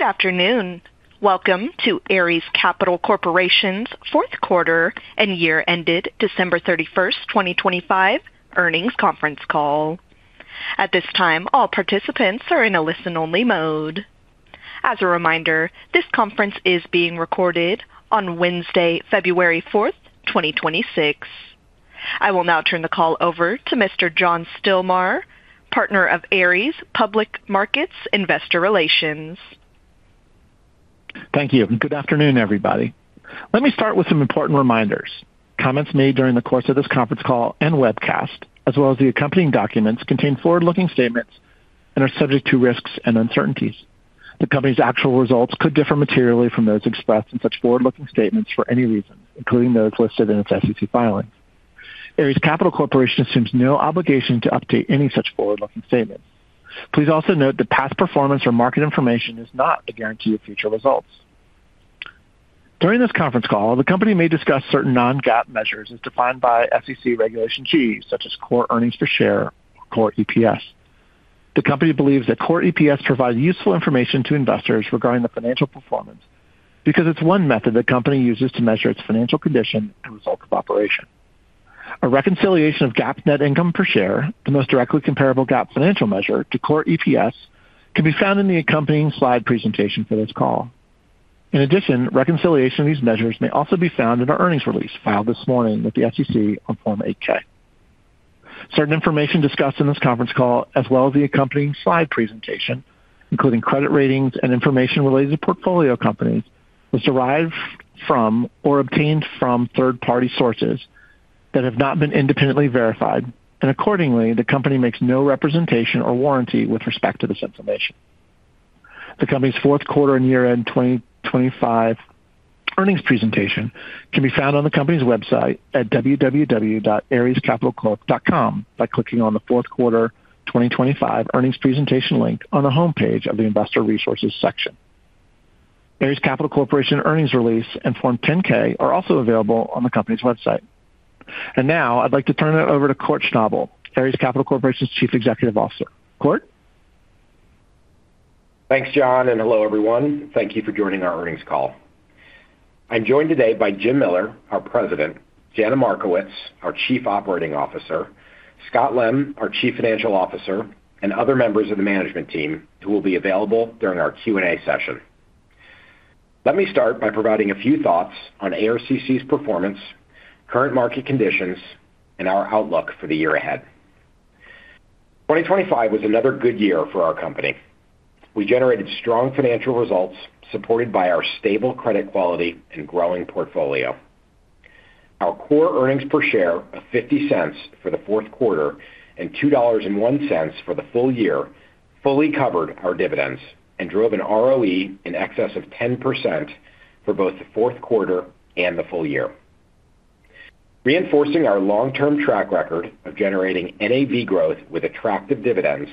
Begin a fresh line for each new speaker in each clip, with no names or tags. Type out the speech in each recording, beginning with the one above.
Good afternoon. Welcome to Ares Capital Corporation's fourth quarter and year-ended December 31, 2025 earnings conference call. At this time, all participants are in a listen-only mode. As a reminder, this conference is being recorded on Wednesday, February 4, 2026. I will now turn the call over to Mr. John Stilmar, Partner of Ares Public Markets Investor Relations.
Thank you. Good afternoon, everybody. Let me start with some important reminders. Comments made during the course of this conference call and webcast, as well as the accompanying documents, contain forward-looking statements and are subject to risks and uncertainties. The company's actual results could differ materially from those expressed in such forward-looking statements for any reason, including those listed in its SEC filing. Ares Capital Corporation assumes no obligation to update any such forward-looking statements. Please also note that past performance or market information is not a guarantee of future results. During this conference call, the company may discuss certain non-GAAP measures as defined by SEC Regulation G, such as core earnings per share or core EPS. The company believes that core EPS provides useful information to investors regarding the financial performance because it's one method the company uses to measure its financial condition and results of operations. A reconciliation of GAAP net income per share, the most directly comparable GAAP financial measure to core EPS, can be found in the accompanying slide presentation for this call. In addition, reconciliation of these measures may also be found in our earnings release filed this morning with the SEC on Form 8-K. Certain information discussed in this conference call, as well as the accompanying slide presentation, including credit ratings and information related to portfolio companies, was derived from or obtained from third-party sources that have not been independently verified, and accordingly, the company makes no representation or warranty with respect to this information. The company's fourth quarter and year-end 2025 earnings presentation can be found on the company's website at www.arescapitalcorp.com by clicking on the fourth quarter 2025 earnings presentation link on the homepage of the Investor Resources section. Ares Capital Corporation earnings release and Form 10-K are also available on the company's website. And now I'd like to turn it over to Kort Schnabel, Ares Capital Corporation's Chief Executive Officer. Kort?
Thanks, John, and hello, everyone. Thank you for joining our earnings call. I'm joined today by Jim Miller, our President, Jana Markowicz, our Chief Operating Officer, Scott Lem, our Chief Financial Officer, and other members of the management team, who will be available during our Q&A session. Let me start by providing a few thoughts on ARCC's performance, current market conditions, and our outlook for the year ahead. 2025 was another good year for our company. We generated strong financial results, supported by our stable credit quality and growing portfolio. Our core earnings per share of $0.50 for the fourth quarter and $2.01 for the full year, fully covered our dividends and drove an ROE in excess of 10% for both the fourth quarter and the full year. Reinforcing our long-term track record of generating NAV growth with attractive dividends,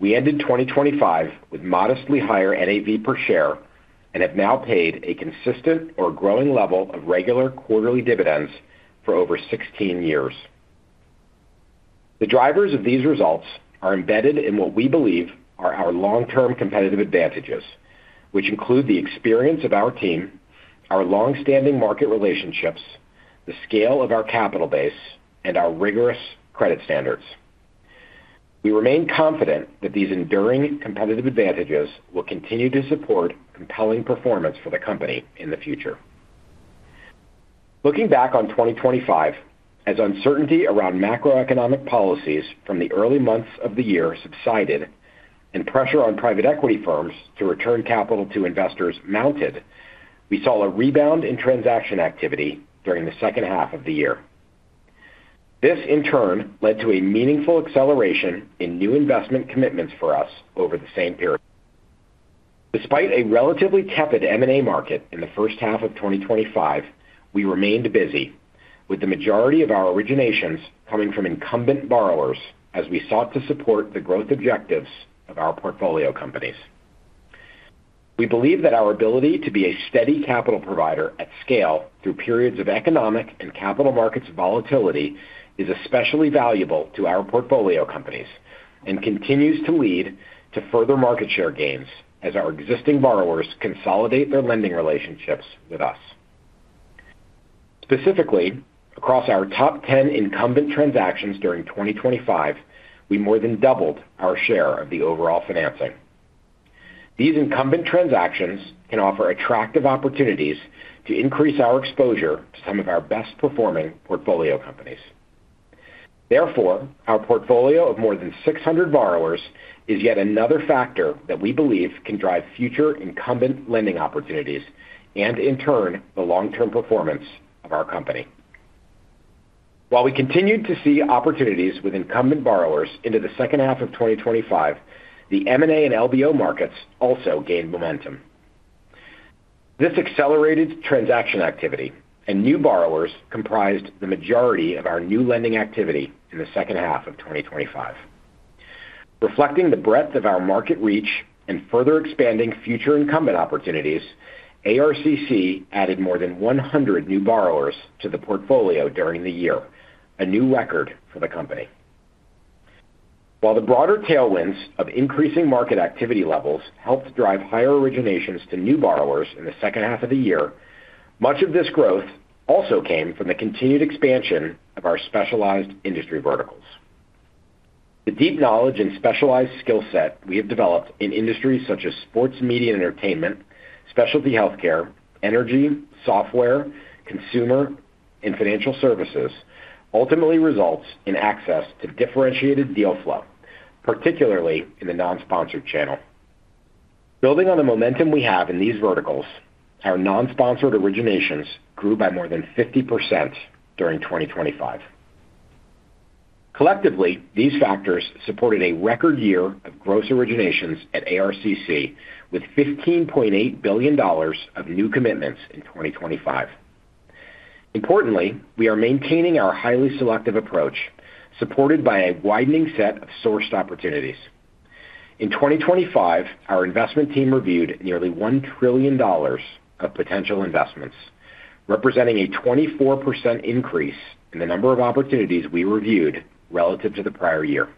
we ended 2025 with modestly higher NAV per share and have now paid a consistent or growing level of regular quarterly dividends for over 16 years. The drivers of these results are embedded in what we believe are our long-term competitive advantages, which include the experience of our team, our long-standing market relationships, the scale of our capital base, and our rigorous credit standards. We remain confident that these enduring competitive advantages will continue to support compelling performance for the company in the future. Looking back on 2025, as uncertainty around macroeconomic policies from the early months of the year subsided and pressure on private equity firms to return capital to investors mounted, we saw a rebound in transaction activity during the second half of the year. This, in turn, led to a meaningful acceleration in new investment commitments for us over the same period. Despite a relatively tepid M&A market in the first half of 2025, we remained busy, with the majority of our originations coming from incumbent borrowers as we sought to support the growth objectives of our portfolio companies. We believe that our ability to be a steady capital provider at scale through periods of economic and capital markets volatility is especially valuable to our portfolio companies and continues to lead to further market share gains as our existing borrowers consolidate their lending relationships with us. Specifically, across our top 10 incumbent transactions during 2025, we more than doubled our share of the overall financing. These incumbent transactions can offer attractive opportunities to increase our exposure to some of our best-performing portfolio companies. Therefore, our portfolio of more than 600 borrowers is yet another factor that we believe can drive future incumbent lending opportunities and, in turn, the long-term performance of our company. While we continued to see opportunities with incumbent borrowers into the second half of 2025, the M&A and LBO markets also gained momentum. This accelerated transaction activity and new borrowers comprised the majority of our new lending activity in the second half of 2025. Reflecting the breadth of our market reach and further expanding future incumbent opportunities, ARCC added more than 100 new borrowers to the portfolio during the year, a new record for the company.... While the broader tailwinds of increasing market activity levels helped drive higher originations to new borrowers in the second half of the year, much of this growth also came from the continued expansion of our specialized industry verticals. The deep knowledge and specialized skill set we have developed in industries such as sports, media, and entertainment, specialty healthcare, energy, software, consumer, and financial services ultimately results in access to differentiated deal flow, particularly in the non-sponsored channel. Building on the momentum we have in these verticals, our non-sponsored originations grew by more than 50% during 2025. Collectively, these factors supported a record year of gross originations at ARCC, with $15.8 billion of new commitments in 2025. Importantly, we are maintaining our highly selective approach, supported by a widening set of sourced opportunities. In 2025, our investment team reviewed nearly $1 trillion of potential investments, representing a 24% increase in the number of opportunities we reviewed relative to the prior year.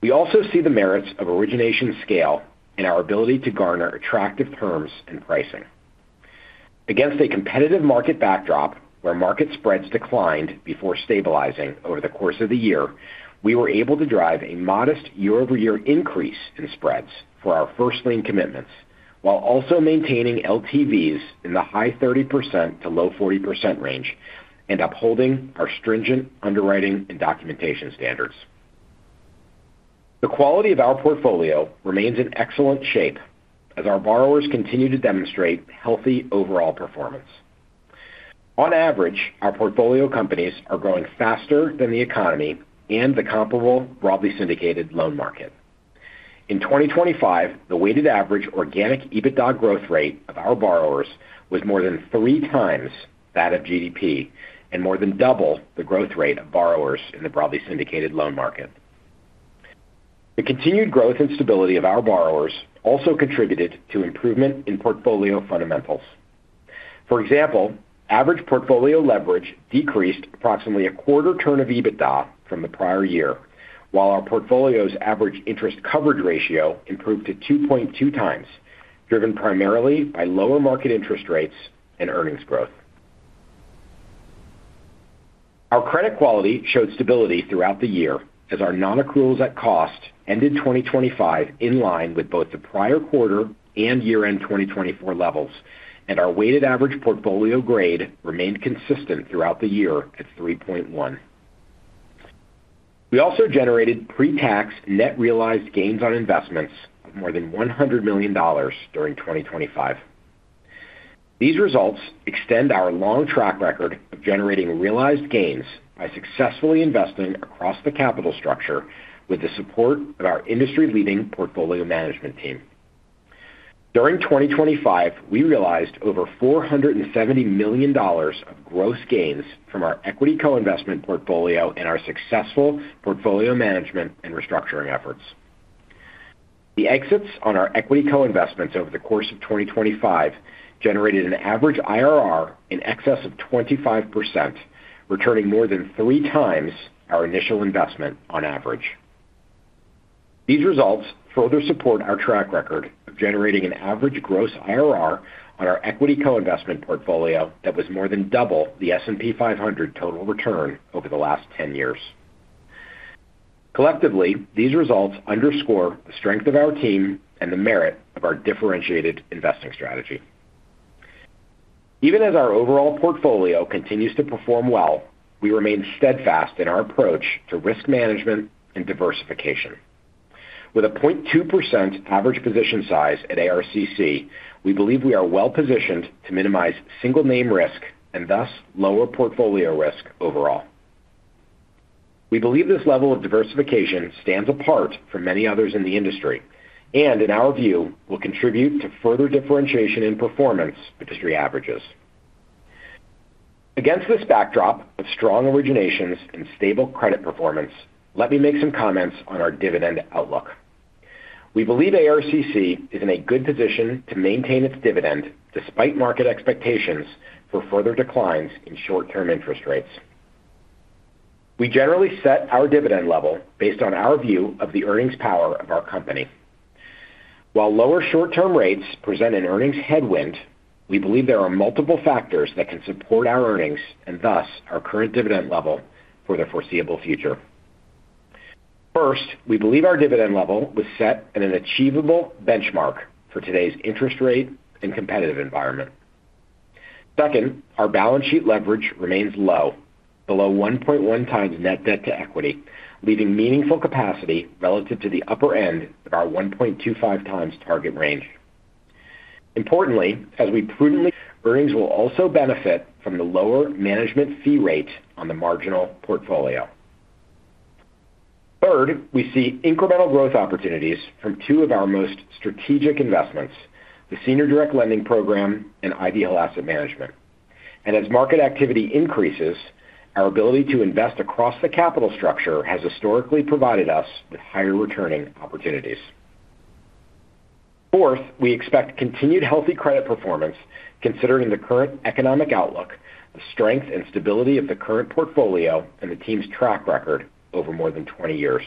We also see the merits of origination scale in our ability to garner attractive terms and pricing. Against a competitive market backdrop, where market spreads declined before stabilizing over the course of the year, we were able to drive a modest year-over-year increase in spreads for our first lien commitments, while also maintaining LTVs in the high 30% to low 40% range and upholding our stringent underwriting and documentation standards. The quality of our portfolio remains in excellent shape as our borrowers continue to demonstrate healthy overall performance. On average, our portfolio companies are growing faster than the economy and the comparable broadly syndicated loan market. In 2025, the weighted average organic EBITDA growth rate of our borrowers was more than three times that of GDP and more than double the growth rate of borrowers in the broadly syndicated loan market. The continued growth and stability of our borrowers also contributed to improvement in portfolio fundamentals. For example, average portfolio leverage decreased approximately a quarter turn of EBITDA from the prior year, while our portfolio's average interest coverage ratio improved to 2.2 times, driven primarily by lower market interest rates and earnings growth. Our credit quality showed stability throughout the year, as our non-accruals at cost ended 2025 in line with both the prior quarter and year-end 2024 levels, and our weighted average portfolio grade remained consistent throughout the year at 3.1. We also generated pretax net realized gains on investments of more than $100 million during 2025. These results extend our long track record of generating realized gains by successfully investing across the capital structure with the support of our industry-leading portfolio management team. During 2025, we realized over $470 million of gross gains from our equity co-investment portfolio and our successful portfolio management and restructuring efforts. The exits on our equity co-investments over the course of 2025 generated an average IRR in excess of 25%, returning more than 3x our initial investment on average. These results further support our track record of generating an average gross IRR on our equity co-investment portfolio that was more than double the S&P 500 total return over the last 10 years. Collectively, these results underscore the strength of our team and the merit of our differentiated investing strategy. Even as our overall portfolio continues to perform well, we remain steadfast in our approach to risk management and diversification. With a 0.2% average position size at ARCC, we believe we are well positioned to minimize single-name risk and thus lower portfolio risk overall. We believe this level of diversification stands apart from many others in the industry and, in our view, will contribute to further differentiation in performance with industry averages. Against this backdrop of strong originations and stable credit performance, let me make some comments on our dividend outlook. We believe ARCC is in a good position to maintain its dividend despite market expectations for further declines in short-term interest rates. We generally set our dividend level based on our view of the earnings power of our company. While lower short-term rates present an earnings headwind, we believe there are multiple factors that can support our earnings and thus our current dividend level for the foreseeable future. First, we believe our dividend level was set at an achievable benchmark for today's interest rate and competitive environment. Second, our balance sheet leverage remains low, below 1.1 times net debt to equity, leaving meaningful capacity relative to the upper end of our 1.25 times target range. Importantly, as we prudently... earnings will also benefit from the lower management fee rate on the marginal portfolio. Third, we see incremental growth opportunities from two of our most strategic investments, the Senior Direct Lending Program and Ivy Hill Asset Management. And as market activity increases, our ability to invest across the capital structure has historically provided us with higher-returning opportunities.... Fourth, we expect continued healthy credit performance, considering the current economic outlook, the strength and stability of the current portfolio, and the team's track record over more than 20 years.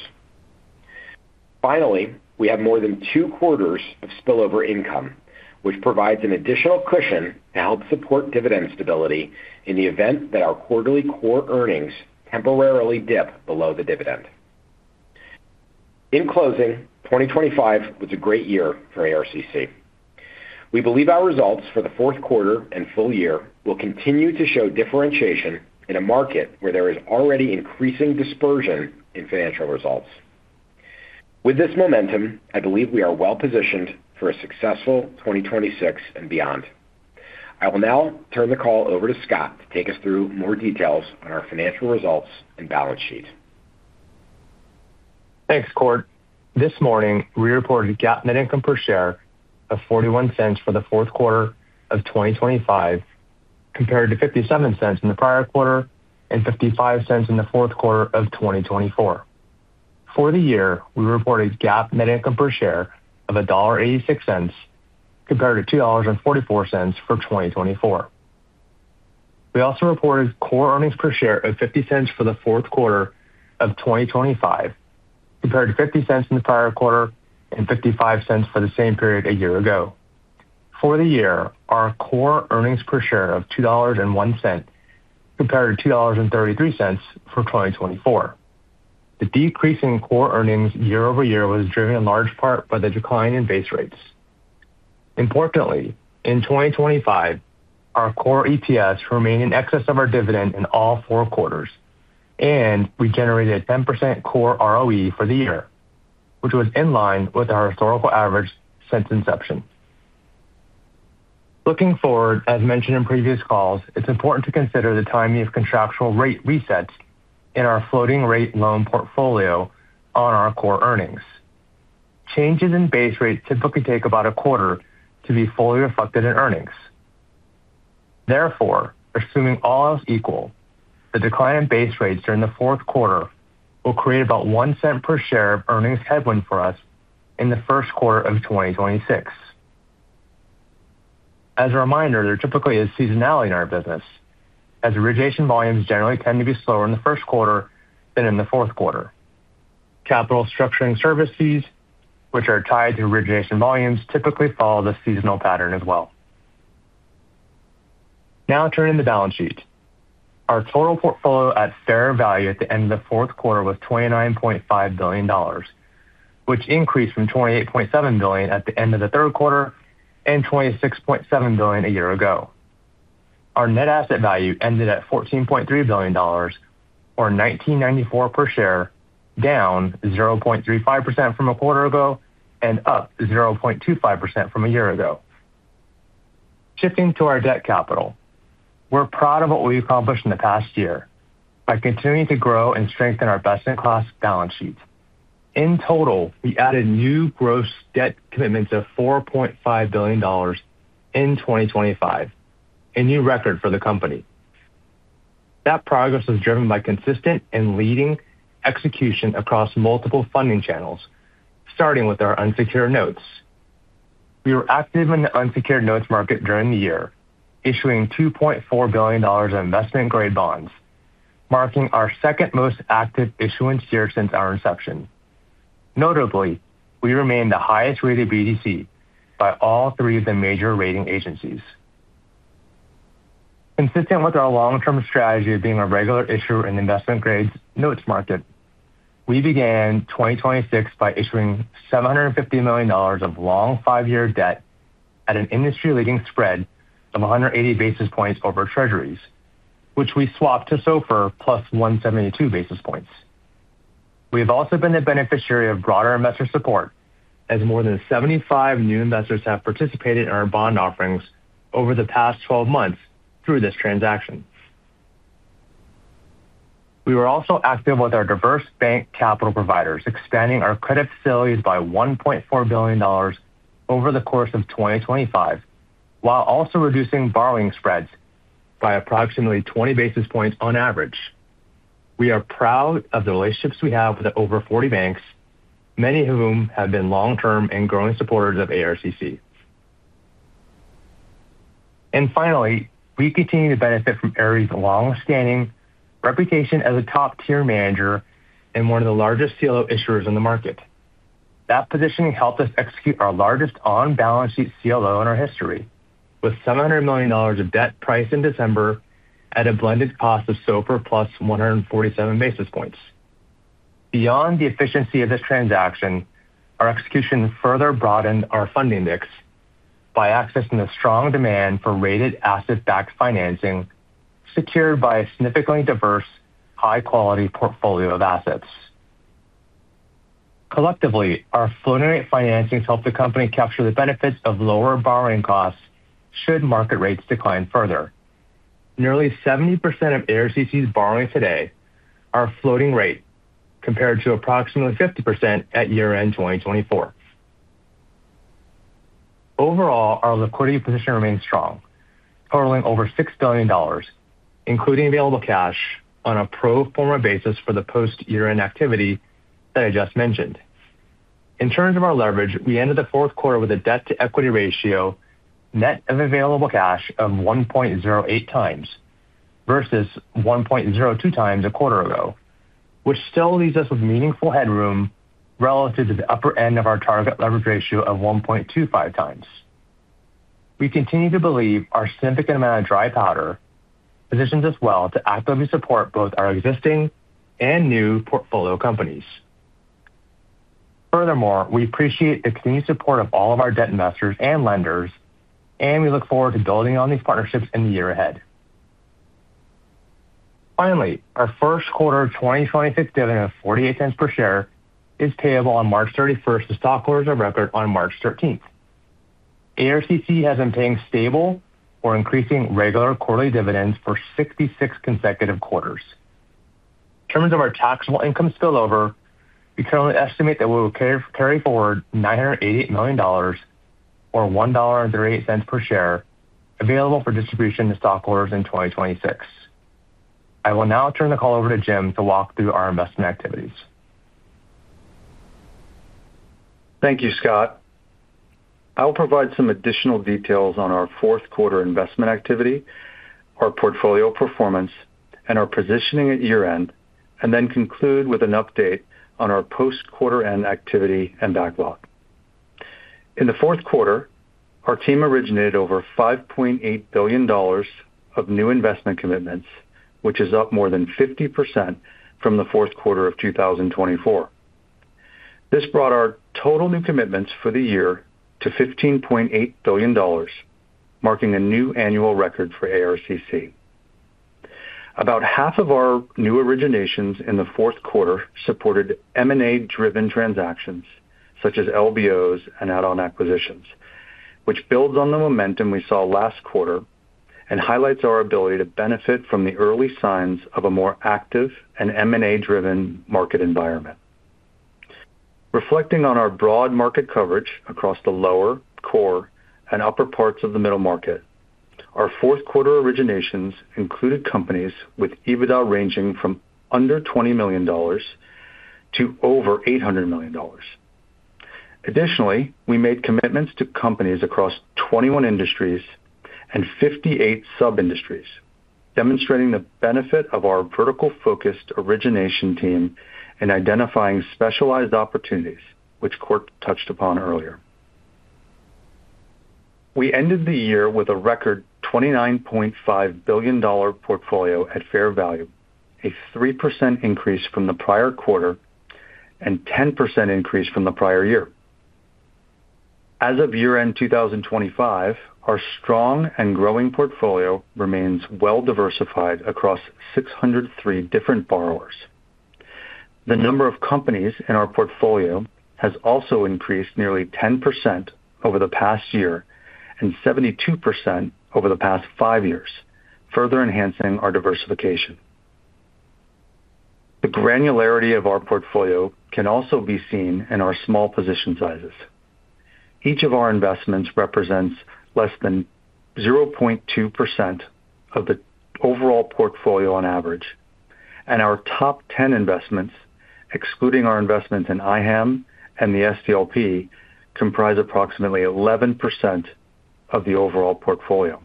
Finally, we have more than two quarters of spillover income, which provides an additional cushion to help support dividend stability in the event that our quarterly core earnings temporarily dip below the dividend. In closing, 2025 was a great year for ARCC. We believe our results for the fourth quarter and full year will continue to show differentiation in a market where there is already increasing dispersion in financial results. With this momentum, I believe we are well positioned for a successful 2026 and beyond. I will now turn the call over to Scott to take us through more details on our financial results and balance sheet.
Thanks, Kort. This morning, we reported GAAP net income per share of $0.41 for the fourth quarter of 2025, compared to $0.57 in the prior quarter and $0.55 in the fourth quarter of 2024. For the year, we reported GAAP net income per share of $1.86, compared to $2.44 for 2024. We also reported core earnings per share of $0.50 for the fourth quarter of 2025, compared to $0.50 in the prior quarter and $0.55 for the same period a year ago. For the year, our core earnings per share of $2.01, compared to $2.33 for 2024. The decrease in core earnings year-over-year was driven in large part by the decline in base rates. Importantly, in 2025, our core ETFs remained in excess of our dividend in all four quarters, and we generated a 10% core ROE for the year, which was in line with our historical average since inception. Looking forward, as mentioned in previous calls, it's important to consider the timing of contractual rate resets in our floating rate loan portfolio on our core earnings. Changes in base rates typically take about a quarter to be fully reflected in earnings. Therefore, assuming all else equal, the decline in base rates during the fourth quarter will create about $0.01 per share of earnings headwind for us in the first quarter of 2026. As a reminder, there typically is seasonality in our business, as origination volumes generally tend to be slower in the first quarter than in the fourth quarter. Capital structuring service fees, which are tied to origination volumes, typically follow the seasonal pattern as well. Now turning to the balance sheet. Our total portfolio at fair value at the end of the fourth quarter was $29.5 billion, which increased from $28.7 billion at the end of the third quarter and $26.7 billion a year ago. Our net asset value ended at $14.3 billion, or $19.94 per share, down 0.35% from a quarter ago and up 0.25% from a year ago. Shifting to our debt capital. We're proud of what we've accomplished in the past year by continuing to grow and strengthen our best-in-class balance sheet. In total, we added new gross debt commitments of $4.5 billion in 2025, a new record for the company. That progress was driven by consistent and leading execution across multiple funding channels, starting with our unsecured notes. We were active in the unsecured notes market during the year, issuing $2.4 billion of investment-grade bonds, marking our second most active issuance year since our inception. Notably, we remain the highest-rated BDC by all three of the major rating agencies. Consistent with our long-term strategy of being a regular issuer in the investment-grade notes market, we began 2026 by issuing $750 million of long five-year debt at an industry-leading spread of 180 basis points over Treasuries, which we swapped to SOFR plus 172 basis points. We have also been the beneficiary of broader investor support, as more than 75 new investors have participated in our bond offerings over the past 12 months through this transaction. We were also active with our diverse bank capital providers, expanding our credit facilities by $1.4 billion over the course of 2025, while also reducing borrowing spreads by approximately 20 basis points on average. We are proud of the relationships we have with over 40 banks, many of whom have been long-term and growing supporters of ARCC. Finally, we continue to benefit from Ares' long-standing reputation as a top-tier manager and one of the largest CLO issuers in the market. That positioning helped us execute our largest on-balance sheet CLO in our history, with $700 million of debt priced in December at a blended cost of SOFR plus 147 basis points. Beyond the efficiency of this transaction, our execution further broadened our funding mix by accessing the strong demand for rated asset-backed financing, secured by a significantly diverse, high-quality portfolio of assets. Collectively, our floating rate financings help the company capture the benefits of lower borrowing costs should market rates decline further. Nearly 70% of ARCC's borrowing today are floating rate, compared to approximately 50% at year-end 2024. Overall, our liquidity position remains strong, totaling over $6 billion, including available cash on a pro forma basis for the post year-end activity that I just mentioned. In terms of our leverage, we ended the fourth quarter with a debt-to-equity ratio net of available cash of 1.08 times, versus 1.02 times a quarter ago, which still leaves us with meaningful headroom relative to the upper end of our target leverage ratio of 1.25 times. We continue to believe our significant amount of dry powder positions us well to actively support both our existing and new portfolio companies. Furthermore, we appreciate the continued support of all of our debt investors and lenders, and we look forward to building on these partnerships in the year ahead. Finally, our first quarter of 2026 dividend of $0.48 per share is payable on March 31st to stockholders of record on March 13th. ARCC has been paying stable or increasing regular quarterly dividends for 66 consecutive quarters. In terms of our taxable income spillover, we currently estimate that we will carry forward $988 million or $1.03 per share, available for distribution to stockholders in 2026. I will now turn the call over to Jim to walk through our investment activities.
Thank you, Scott. I will provide some additional details on our fourth quarter investment activity, our portfolio performance, and our positioning at year-end, and then conclude with an update on our post-quarter end activity and backlog. In the fourth quarter, our team originated over $5.8 billion of new investment commitments, which is up more than 50% from the fourth quarter of 2024. This brought our total new commitments for the year to $15.8 billion, marking a new annual record for ARCC. About half of our new originations in the fourth quarter supported M&A-driven transactions, such as LBOs and add-on acquisitions, which builds on the momentum we saw last quarter and highlights our ability to benefit from the early signs of a more active and M&A-driven market environment. Reflecting on our broad market coverage across the lower core and upper parts of the middle market, our fourth quarter originations included companies with EBITDA ranging from under $20 million to over $800 million. Additionally, we made commitments to companies across 21 industries and 58 sub-industries, demonstrating the benefit of our vertical-focused origination team in identifying specialized opportunities, which Kort touched upon earlier. We ended the year with a record $29.5 billion portfolio at fair value, a 3% increase from the prior quarter and 10% increase from the prior year. As of year-end 2025, our strong and growing portfolio remains well-diversified across 603 different borrowers. The number of companies in our portfolio has also increased nearly 10% over the past year and 72% over the past five years, further enhancing our diversification. The granularity of our portfolio can also be seen in our small position sizes. Each of our investments represents less than 0.2% of the overall portfolio on average, and our top 10 investments, excluding our investment in IHAM and the SDLP, comprise approximately 11% of the overall portfolio,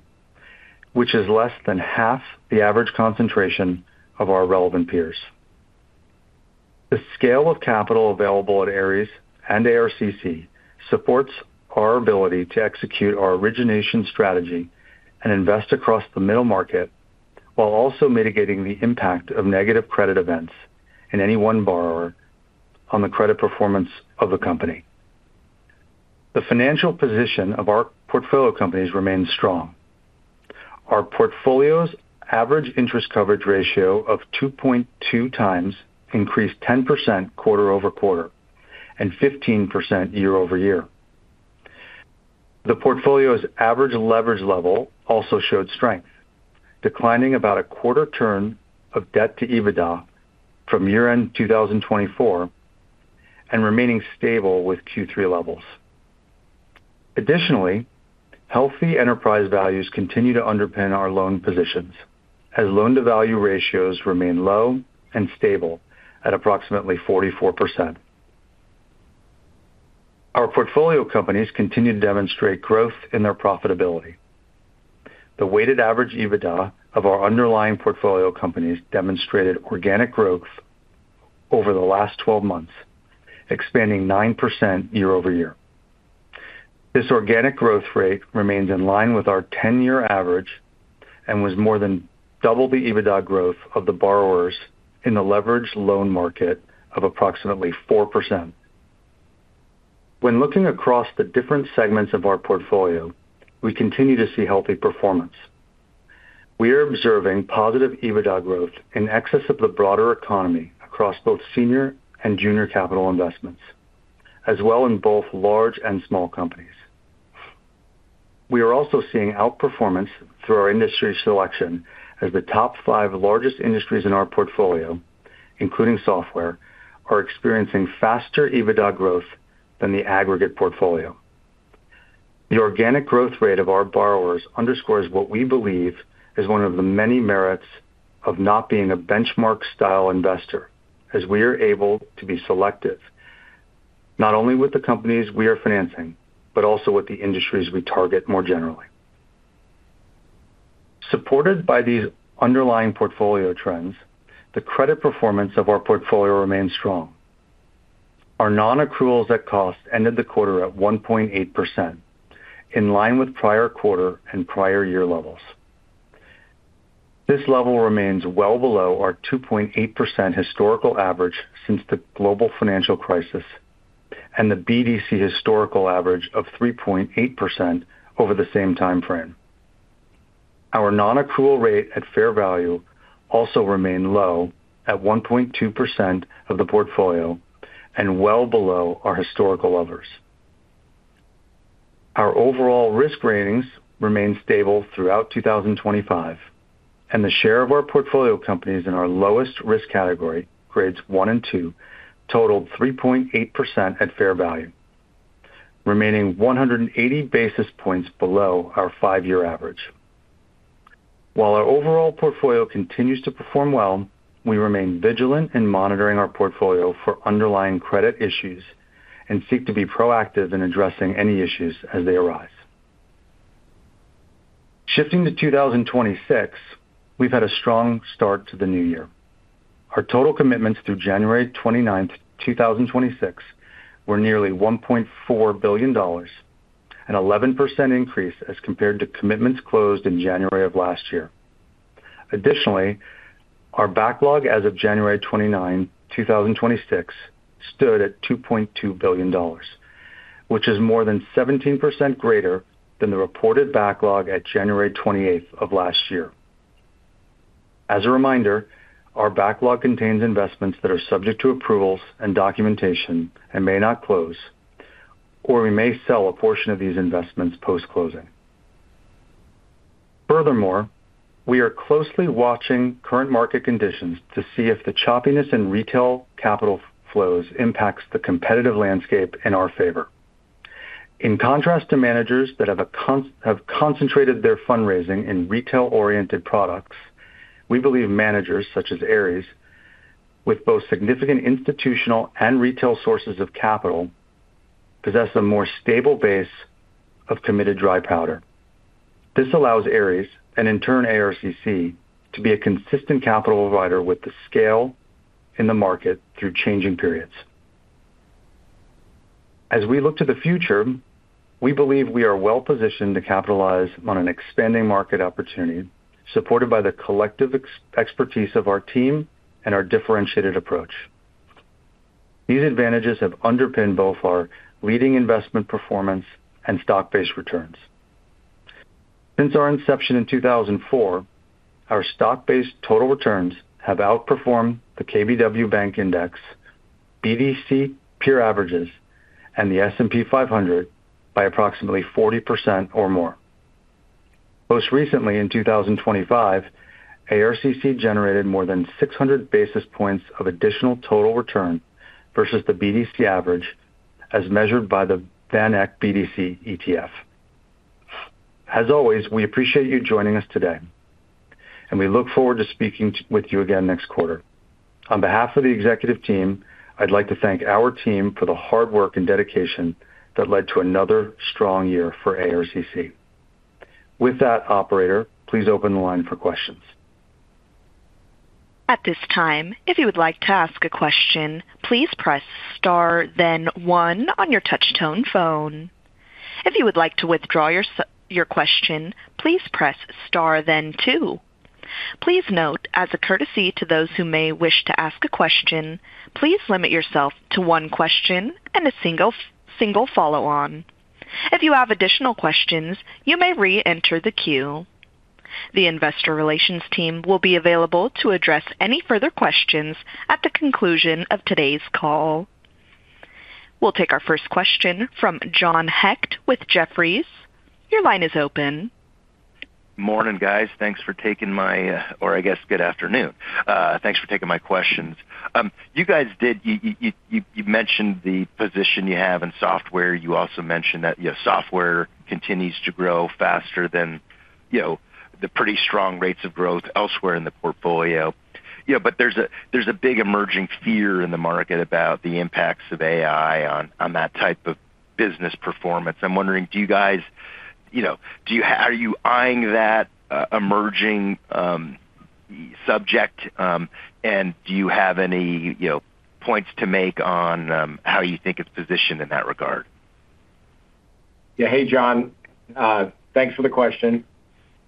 which is less than half the average concentration of our relevant peers. The scale of capital available at Ares and ARCC supports our ability to execute our origination strategy and invest across the middle market, while also mitigating the impact of negative credit events in any one borrower on the credit performance of the company. The financial position of our portfolio companies remains strong. Our portfolio's average interest coverage ratio of 2.2 times increased 10% quarter-over-quarter and 15% year-over-year. The portfolio's average leverage level also showed strength, declining about a quarter turn of debt to EBITDA from year-end 2024, and remaining stable with Q3 levels. Additionally, healthy enterprise values continue to underpin our loan positions as loan-to-value ratios remain low and stable at approximately 44%. Our portfolio companies continue to demonstrate growth in their profitability. The weighted average EBITDA of our underlying portfolio companies demonstrated organic growth over the last 12 months, expanding 9% year-over-year. This organic growth rate remains in line with our 10-year average and was more than double the EBITDA growth of the borrowers in the leveraged loan market of approximately 4%. When looking across the different segments of our portfolio, we continue to see healthy performance. We are observing positive EBITDA growth in excess of the broader economy across both senior and junior capital investments, as well in both large and small companies. We are also seeing outperformance through our industry selection as the top five largest industries in our portfolio, including software, are experiencing faster EBITDA growth than the aggregate portfolio. The organic growth rate of our borrowers underscores what we believe is one of the many merits of not being a benchmark-style investor, as we are able to be selective, not only with the companies we are financing, but also with the industries we target more generally. Supported by these underlying portfolio trends, the credit performance of our portfolio remains strong. Our non-accruals at cost ended the quarter at 1.8%, in line with prior quarter and prior year levels. This level remains well below our 2.8% historical average since the global financial crisis, and the BDC historical average of 3.8% over the same time frame. Our non-accrual rate at fair value also remained low at 1.2% of the portfolio and well below our historical levels. Our overall risk ratings remained stable throughout 2025, and the share of our portfolio companies in our lowest risk category, grades 1 and 2, totaled 3.8% at fair value, remaining 180 basis points below our five-year average. While our overall portfolio continues to perform well, we remain vigilant in monitoring our portfolio for underlying credit issues and seek to be proactive in addressing any issues as they arise. Shifting to 2026, we've had a strong start to the new year. Our total commitments through January 29th, 2026, were nearly $1.4 billion, an 11% increase as compared to commitments closed in January of last year. Additionally, our backlog as of January 29th, 2026, stood at $2.2 billion, which is more than 17% greater than the reported backlog at January 28th of last year. As a reminder, our backlog contains investments that are subject to approvals and documentation and may not close, or we may sell a portion of these investments post-closing. Furthermore, we are closely watching current market conditions to see if the choppiness in retail capital flows impacts the competitive landscape in our favor. In contrast to managers that have concentrated their fundraising in retail-oriented products, we believe managers such as Ares, with both significant institutional and retail sources of capital, possess a more stable base of committed dry powder. This allows Ares, and in turn, ARCC, to be a consistent capital provider with the scale in the market through changing periods. As we look to the future, we believe we are well positioned to capitalize on an expanding market opportunity, supported by the collective expertise of our team and our differentiated approach. These advantages have underpinned both our leading investment performance and stock-based returns. Since our inception in 2004, our stock-based total returns have outperformed the KBW Bank Index, BDC peer averages, and the S&P 500 by approximately 40% or more. Most recently, in 2025, ARCC generated more than 600 basis points of additional total return versus the BDC average, as measured by the VanEck BDC ETF. As always, we appreciate you joining us today, and we look forward to speaking with you again next quarter. On behalf of the executive team, I'd like to thank our team for the hard work and dedication that led to another strong year for ARCC. With that, operator, please open the line for questions.
At this time, if you would like to ask a question, please press star, then one on your touchtone phone. If you would like to withdraw your question, please press star then two. Please note, as a courtesy to those who may wish to ask a question, please limit yourself to one question and a single follow-on. If you have additional questions, you may reenter the queue. The investor relations team will be available to address any further questions at the conclusion of today's call. We'll take our first question from John Hecht with Jefferies. Your line is open.
Morning, guys. Thanks for taking my, or I guess good afternoon. Thanks for taking my questions. You guys, did you mention the position you have in software. You also mentioned that, you know, software continues to grow faster than, you know, the pretty strong rates of growth elsewhere in the portfolio. You know, but there's a big emerging fear in the market about the impacts of AI on that type of business performance. I'm wondering, do you guys—you know, are you eyeing that emerging subject? And do you have any, you know, points to make on how you think it's positioned in that regard?
Yeah. Hey, John. Thanks for the question.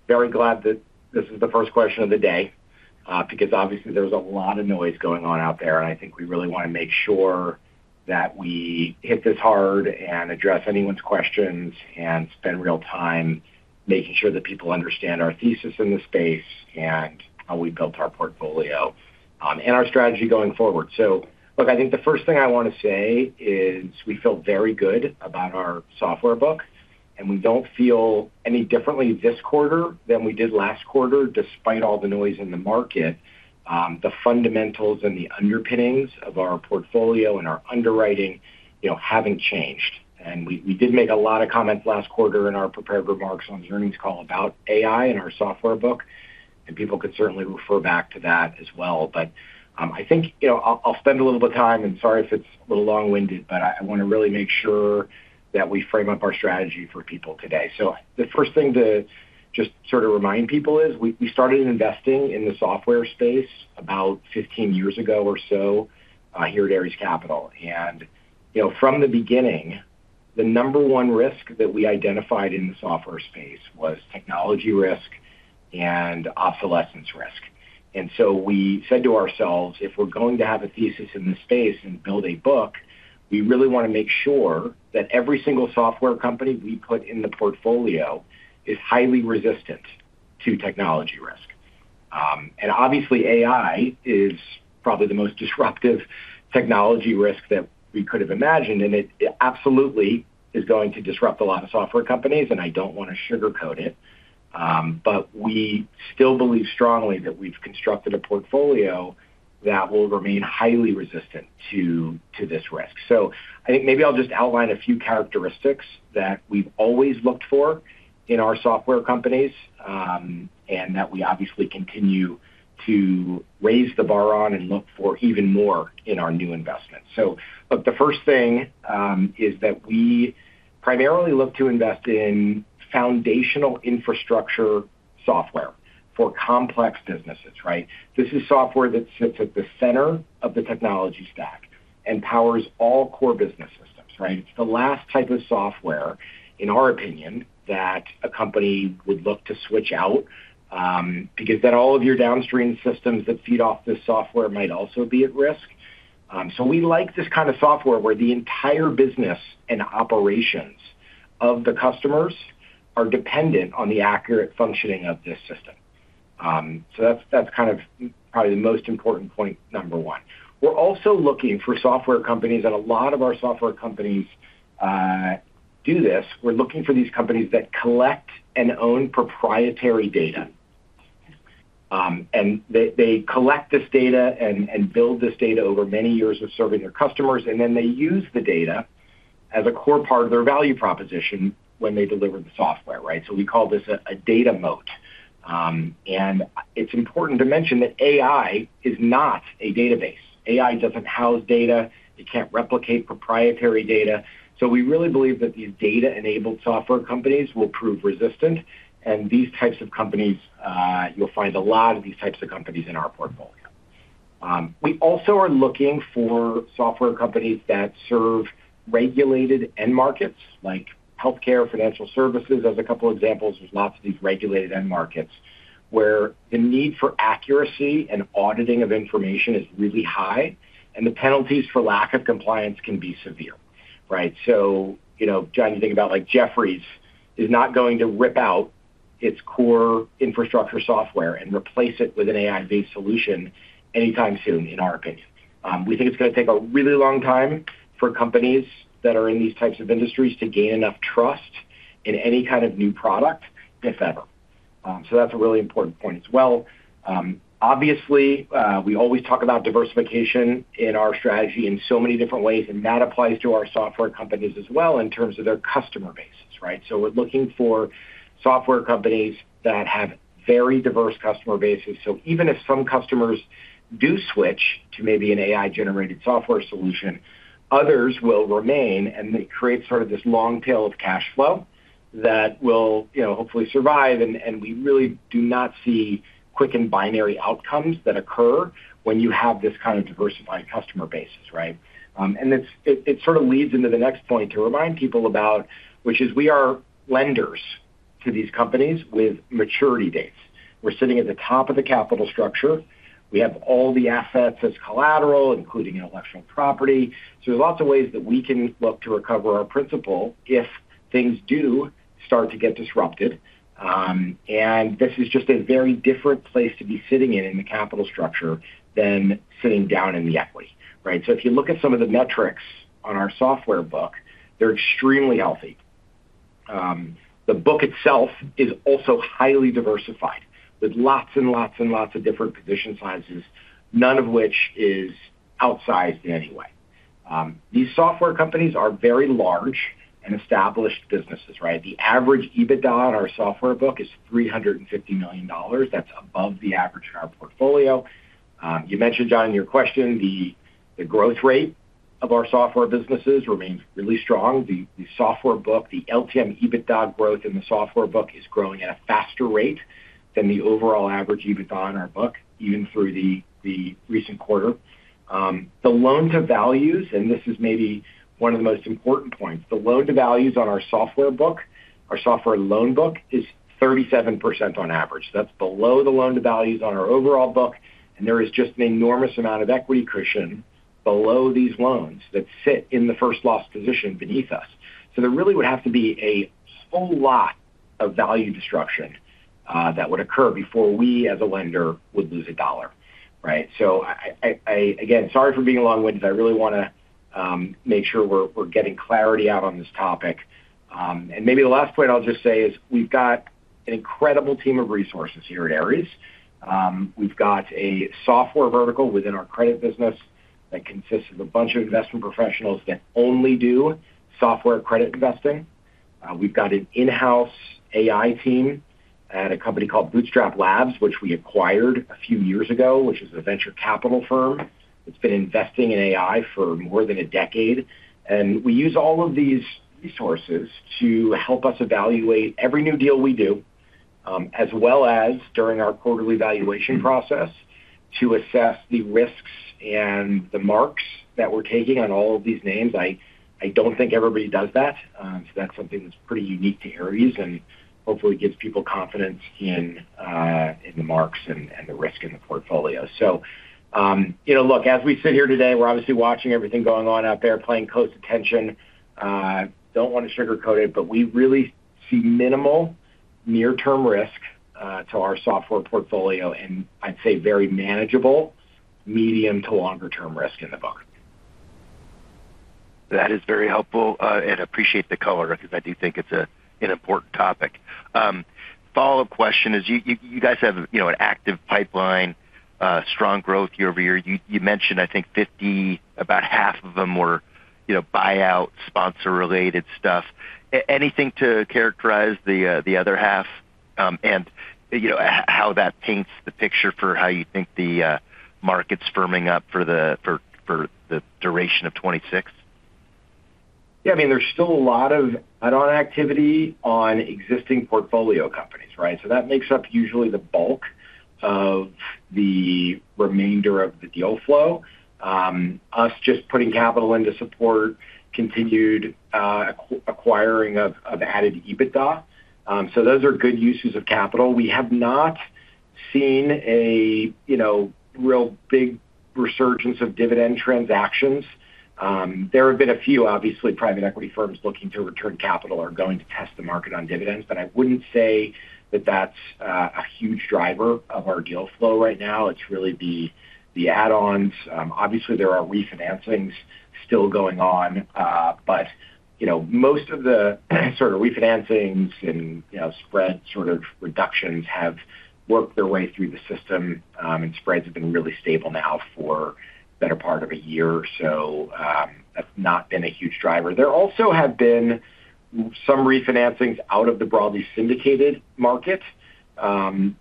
Very glad that this is the first question of the day, because obviously there's a lot of noise going on out there, and I think we really want to make sure that we hit this hard and address anyone's questions and spend real time making sure that people understand our thesis in this space and how we built our portfolio, and our strategy going forward. So look, I think the first thing I want to say is we feel very good about our software book....
and we don't feel any differently this quarter than we did last quarter, despite all the noise in the market. The fundamentals and the underpinnings of our portfolio and our underwriting, you know, haven't changed. And we, we did make a lot of comments last quarter in our prepared remarks on the earnings call about AI and our software book, and people could certainly refer back to that as well. But, I think, you know, I'll, I'll spend a little bit of time, and sorry if it's a little long-winded, but I, I wanna really make sure that we frame up our strategy for people today. So the first thing to just sort of remind people is we, we started investing in the software space about 15 years ago or so, here at Ares Capital. You know, from the beginning, the number one risk that we identified in the software space was technology risk and obsolescence risk. So we said to ourselves, if we're going to have a thesis in this space and build a book, we really wanna make sure that every single software company we put in the portfolio is highly resistant to technology risk. And obviously, AI is probably the most disruptive technology risk that we could have imagined, and it absolutely is going to disrupt a lot of software companies, and I don't wanna sugarcoat it. But we still believe strongly that we've constructed a portfolio that will remain highly resistant to this risk. So I think maybe I'll just outline a few characteristics that we've always looked for in our software companies, and that we obviously continue to raise the bar on and look for even more in our new investments. So look, the first thing, is that we primarily look to invest in foundational infrastructure software for complex businesses, right? This is software that sits at the center of the technology stack and powers all core business systems, right? It's the last type of software, in our opinion, that a company would look to switch out, because then all of your downstream systems that feed off this software might also be at risk. So we like this kind of software, where the entire business and operations of the customers are dependent on the accurate functioning of this system. So that's, that's kind of probably the most important point, number one. We're also looking for software companies, and a lot of our software companies do this. We're looking for these companies that collect and own proprietary data. And they, they collect this data and, and build this data over many years of serving their customers, and then they use the data as a core part of their value proposition when they deliver the software, right? So we call this a, a data moat. And it's important to mention that AI is not a database. AI doesn't house data. It can't replicate proprietary data. So we really believe that these data-enabled software companies will prove resistant, and these types of companies, you'll find a lot of these types of companies in our portfolio. We also are looking for software companies that serve regulated end markets, like healthcare, financial services, as a couple of examples. There's lots of these regulated end markets, where the need for accuracy and auditing of information is really high, and the penalties for lack of compliance can be severe, right? So, you know, John, you think about, like, Jefferies is not going to rip out its core infrastructure software and replace it with an AI-based solution anytime soon, in our opinion. We think it's gonna take a really long time for companies that are in these types of industries to gain enough trust in any kind of new product, if ever. So that's a really important point as well. Obviously, we always talk about diversification in our strategy in so many different ways, and that applies to our software companies as well in terms of their customer bases, right? So we're looking for software companies that have very diverse customer bases. So even if some customers do switch to maybe an AI-generated software solution, others will remain, and they create sort of this long tail of cash flow that will, you know, hopefully survive. And, and we really do not see quick and binary outcomes that occur when you have this kind of diversified customer base, right? And it's... it sort of leads into the next point to remind people about, which is we are lenders to these companies with maturity dates. We're sitting at the top of the capital structure. We have all the assets as collateral, including intellectual property. So there's lots of ways that we can look to recover our principal if things do start to get disrupted. And this is just a very different place to be sitting in, in the capital structure than sitting down in the equity, right? So if you look at some of the metrics on our software book, they're extremely healthy. The book itself is also highly diversified, with lots and lots and lots of different position sizes, none of which is outsized in any way. These software companies are very large and established businesses, right? The average EBITDA on our software book is $350 million. That's above the average in our portfolio. You mentioned, John, in your question, the growth rate of our software businesses remains really strong. The software book, the LTM EBITDA growth in the software book, is growing at a faster rate than the overall average EBITDA in our book, even through the recent quarter. The loan-to-values, and this is maybe one of the most important points, the loan-to-values on our software book, our software loan book, is 37% on average. That's below the loan-to-values on our overall book, and there is just an enormous amount of equity cushion below these loans that sit in the first loss position beneath us. So there really would have to be a whole lot of value destruction that would occur before we as a lender would lose a dollar, right? So I again, sorry for being long-winded. I really want to make sure we're getting clarity out on this topic. Maybe the last point I'll just say is we've got an incredible team of resources here at Ares. We've got a software vertical within our credit business that consists of a bunch of investment professionals that only do software credit investing. We've got an in-house AI team at a company called Bootstrap Labs, which we acquired a few years ago, which is a venture capital firm. It's been investing in AI for more than a decade, and we use all of these resources to help us evaluate every new deal we do, as well as during our quarterly valuation process, to assess the risks and the marks that we're taking on all of these names. I don't think everybody does that. So that's something that's pretty unique to Ares and hopefully gives people confidence in the marks and the risk in the portfolio. So, you know, look, as we sit here today, we're obviously watching everything going on out there, paying close attention. Don't want to sugarcoat it, but we really see minimal near-term risk to our software portfolio, and I'd say very manageable medium to longer-term risk in the market.
That is very helpful, and appreciate the color, because I do think it's an important topic. Follow-up question is, you guys have, you know, an active pipeline, strong growth year-over-year. You mentioned, I think 50, about half of them were, you know, buyout, sponsor-related stuff. Anything to characterize the other half, and, you know, how that paints the picture for how you think the market's firming up for the duration of 2026?
Yeah, I mean, there's still a lot of add-on activity on existing portfolio companies, right? So that makes up usually the bulk of the remainder of the deal flow. Us just putting capital in to support continued acquiring of added EBITDA. So those are good uses of capital. We have not seen a, you know, real big resurgence of dividend transactions. There have been a few. Obviously, private equity firms looking to return capital are going to test the market on dividends, but I wouldn't say that that's a huge driver of our deal flow right now. It's really the add-ons. Obviously, there are refinancings still going on. But, you know, most of the sort of refinancings and, you know, spread sort of reductions have worked their way through the system, and spreads have been really stable now for the better part of a year or so. That's not been a huge driver. There also have been some refinancings out of the broadly syndicated market,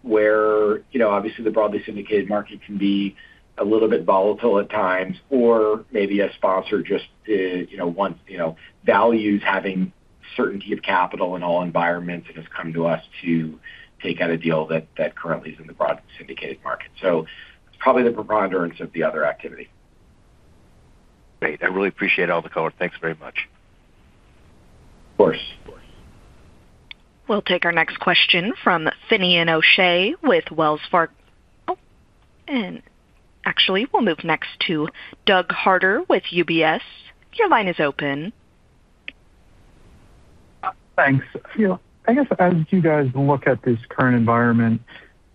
where, you know, obviously the broadly syndicated market can be a little bit volatile at times, or maybe a sponsor just, you know, wants, you know, values having certainty of capital in all environments and has come to us to take out a deal that, that currently is in the broadly syndicated market. So that's probably the preponderance of the other activity.
Great. I really appreciate all the color. Thanks very much.
Of course. Of course.
We'll take our next question from Finian O'Shea with Wells Fargo. Oh, and actually, we'll move next to Doug Harter with UBS. Your line is open.
Thanks. You know, I guess as you guys look at this current environment,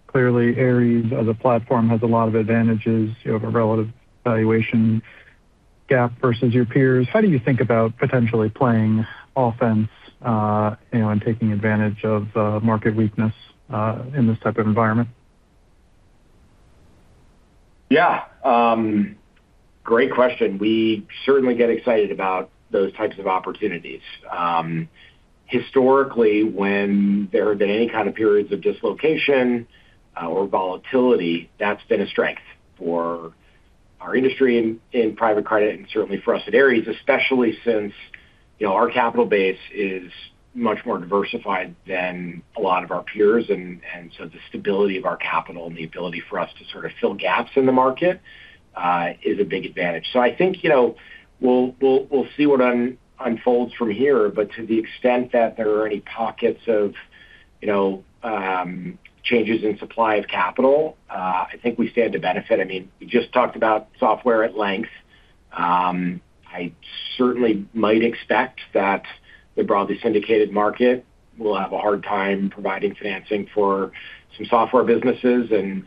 clearly, Ares as a platform has a lot of advantages. You have a relative valuation gap versus your peers. How do you think about potentially playing offense, you know, and taking advantage of market weakness in this type of environment?
Yeah, great question. We certainly get excited about those types of opportunities. Historically, when there have been any kind of periods of dislocation or volatility, that's been a strength for our industry in private credit, and certainly for us at Ares, especially since, you know, our capital base is much more diversified than a lot of our peers. And so the stability of our capital and the ability for us to sort of fill gaps in the market is a big advantage. So I think, you know, we'll see what unfolds from here. But to the extent that there are any pockets of, you know, changes in supply of capital, I think we stand to benefit. I mean, we just talked about software at length. I certainly might expect that the broadly syndicated market will have a hard time providing financing for some software businesses. And,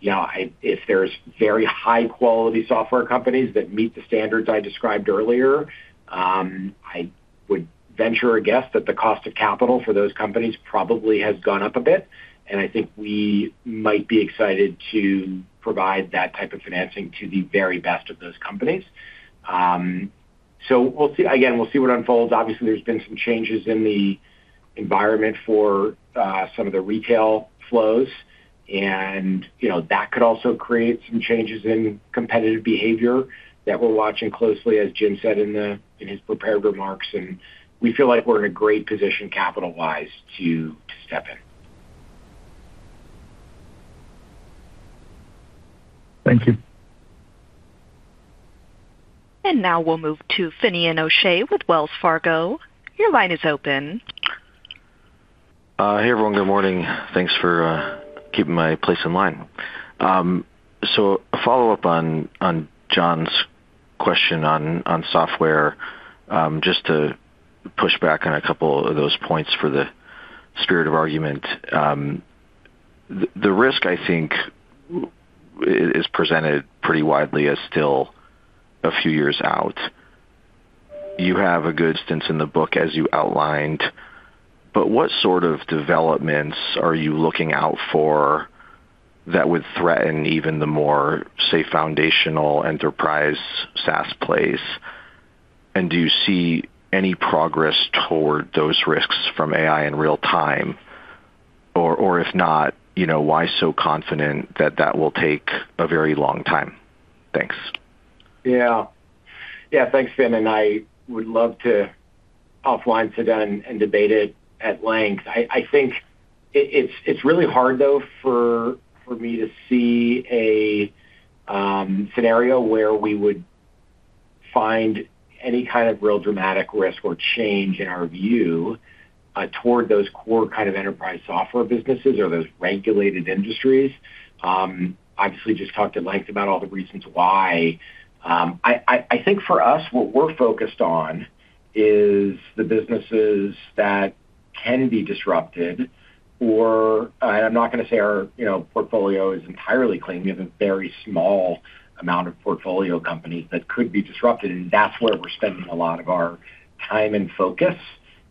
you know, if there's very high-quality software companies that meet the standards I described earlier, I would venture a guess that the cost of capital for those companies probably has gone up a bit, and I think we might be excited to provide that type of financing to the very best of those companies. So we'll see. Again, we'll see what unfolds. Obviously, there's been some changes in the environment for some of the retail flows, and, you know, that could also create some changes in competitive behavior that we're watching closely, as Jim said in his prepared remarks. And we feel like we're in a great position, capital-wise, to step in.
Thank you.
Now we'll move to Finian O'Shea with Wells Fargo. Your line is open.
Hey, everyone. Good morning. Thanks for keeping my place in line. So a follow-up on John's question on software. Just to push back on a couple of those points for the spirit of argument. The risk, I think, is presented pretty widely as still a few years out. You have a good sense in the book as you outlined, but what sort of developments are you looking out for that would threaten even the more, say, foundational enterprise SaaS plays? And do you see any progress toward those risks from AI in real time? Or, if not, you know, why so confident that that will take a very long time? Thanks.
Yeah. Yeah, thanks, Finian, and I would love to offline sit down and debate it at length. I think it's really hard, though, for me to see a scenario where we would find any kind of real dramatic risk or change in our view toward those core kind of enterprise software businesses or those regulated industries. Obviously just talked at length about all the reasons why. I think for us, what we're focused on is the businesses that can be disrupted, or... And I'm not going to say our, you know, portfolio is entirely clean. We have a very small amount of portfolio companies that could be disrupted, and that's where we're spending a lot of our time and focus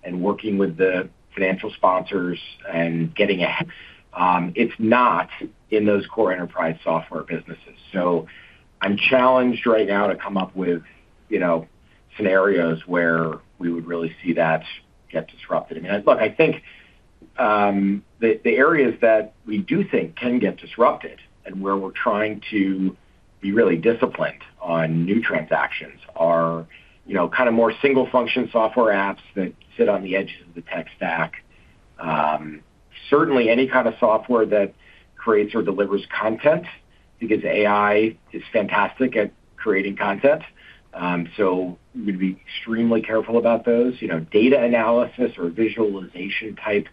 and working with the financial sponsors and getting ahead. It's not in those core enterprise software businesses. So I'm challenged right now to come up with, you know, scenarios where we would really see that get disrupted. And look, I think, the areas that we do think can get disrupted and where we're trying to be really disciplined on new transactions are, you know, kind of more single function software apps that sit on the edges of the tech stack. Certainly any kind of software that creates or delivers content, because AI is fantastic at creating content. So we'd be extremely careful about those. You know, data analysis or visualization-type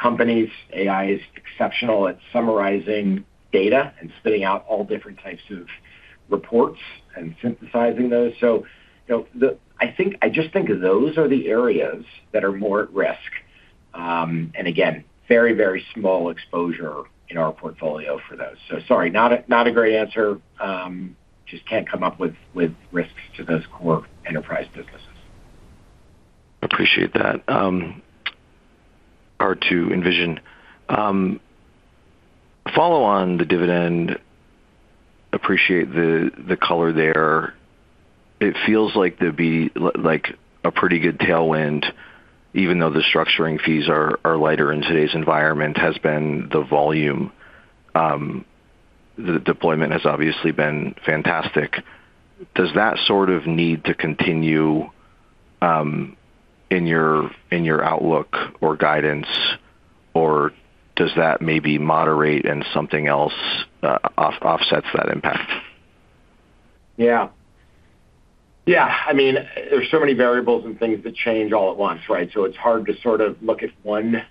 companies, AI is exceptional at summarizing data and spitting out all different types of reports and synthesizing those. So, you know, the—I think, I just think those are the areas that are more at risk. And again, very, very small exposure in our portfolio for those. So sorry, not a great answer. Just can't come up with risks to those core enterprise businesses.
Appreciate that. Hard to envision. Follow on the dividend. Appreciate the color there. It feels like there'd be like a pretty good tailwind, even though the structuring fees are lighter in today's environment, has been the volume. The deployment has obviously been fantastic. Does that sort of need to continue in your outlook or guidance, or does that maybe moderate and something else offsets that impact?
Yeah. Yeah, I mean, there's so many variables and things that change all at once, right? So it's hard to sort of look at one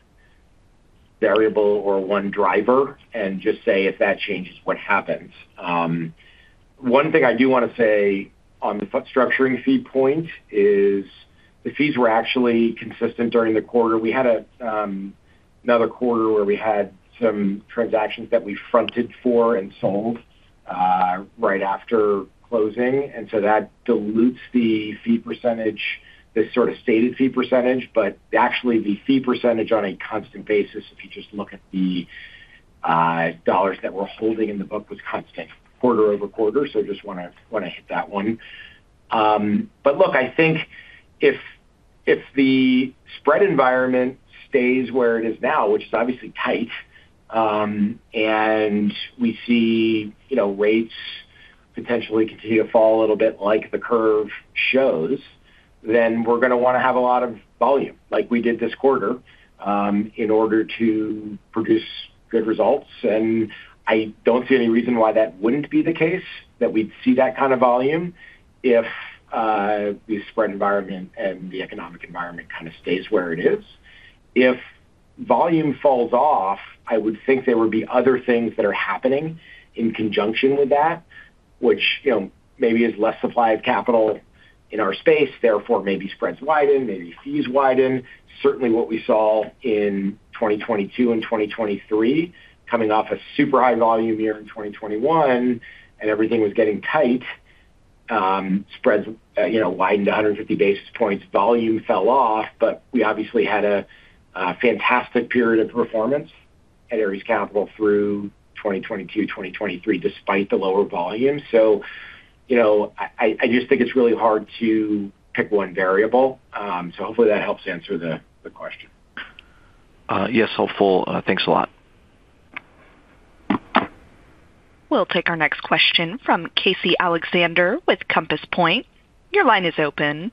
variable or one driver and just say, if that changes, what happens? One thing I do want to say on the structuring fee point is the fees were actually consistent during the quarter. We had another quarter where we had some transactions that we fronted for and sold right after closing, and so that dilutes the fee percentage, the sort of stated fee percentage. But actually, the fee percentage on a constant basis, if you just look at the dollars that we're holding in the book, was constant quarter over quarter. So just want to, want to hit that one. But look, I think if, if the spread environment stays where it is now, which is obviously tight, and we see, you know, rates potentially continue to fall a little bit like the curve shows, then we're going to want to have a lot of volume like we did this quarter, in order to produce good results. And I don't see any reason why that wouldn't be the case, that we'd see that kind of volume if, the spread environment and the economic environment kind of stays where it is. If volume falls off, I would think there would be other things that are happening in conjunction with that, which, you know, maybe is less supply of capital in our space. Therefore, maybe spreads widen, maybe fees widen. Certainly, what we saw in 2022 and 2023, coming off a super high volume year in 2021, and everything was getting tight, spreads, you know, widened 150 basis points. Volume fell off, but we obviously had a fantastic period of performance at Ares Capital through 2022, 2023, despite the lower volume. So, you know, I just think it's really hard to pick one variable. So hopefully that helps answer the question.
Yes, helpful. Thanks a lot.
We'll take our next question from Casey Alexander with Compass Point. Your line is open.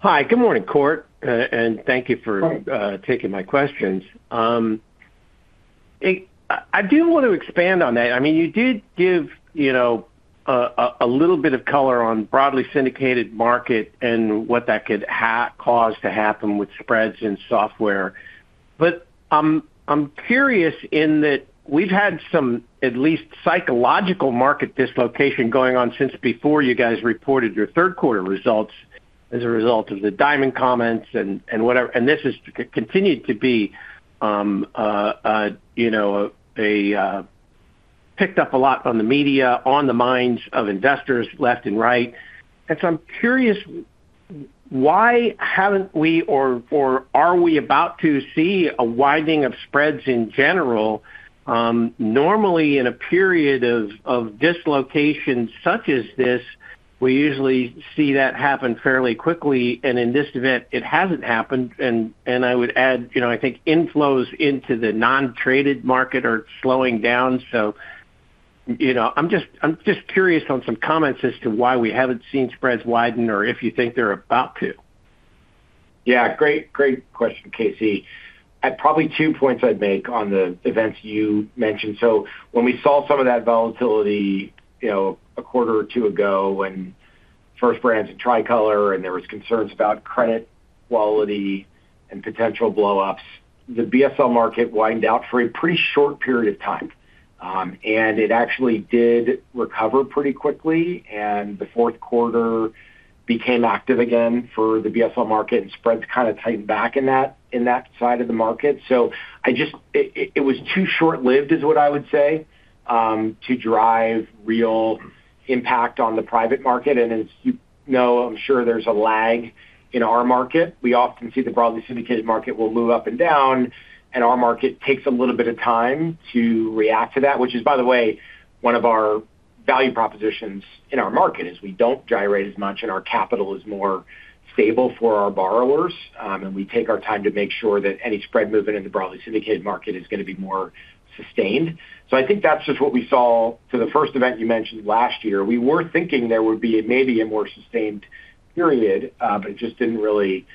Hi, good morning, Kort, and thank you for-
Hi.
Taking my questions. I do want to expand on that. I mean, you did give, you know, a little bit of color on broadly syndicated market and what that could cause to happen with spreads in software. But, I'm curious in that we've had some, at least psychological market dislocation going on since before you guys reported your third quarter results as a result of the Dimon comments and whatever. And this has continued to be, you know, picked up a lot from the media on the minds of investors left and right. And so I'm curious, why haven't we or are we about to see a widening of spreads in general? Normally, in a period of dislocation such as this, we usually see that happen fairly quickly, and in this event, it hasn't happened. And I would add, you know, I think inflows into the non-traded market are slowing down. So, you know, I'm just curious on some comments as to why we haven't seen spreads widen or if you think they're about to.
Yeah, great, great question, Casey. I probably two points I'd make on the events you mentioned. So when we saw some of that volatility, you know, a quarter or two ago, when First Brands and Tricolor, and there was concerns about credit quality and potential blow-ups, the BSL market widened out for a pretty short period of time. And it actually did recover pretty quickly, and the fourth quarter became active again for the BSL market, and spreads kind of tightened back in that, in that side of the market. So I just, it was too short-lived, is what I would say, to drive real impact on the private market. And as you know, I'm sure there's a lag in our market. We often see the broadly syndicated market will move up and down, and our market takes a little bit of time to react to that, which is, by the way, one of our value propositions in our market, is we don't gyrate as much, and our capital is more stable for our borrowers. And we take our time to make sure that any spread movement in the broadly syndicated market is going to be more sustained. So I think that's just what we saw for the first event you mentioned last year. We were thinking there would be maybe a more sustained period, but it just didn't really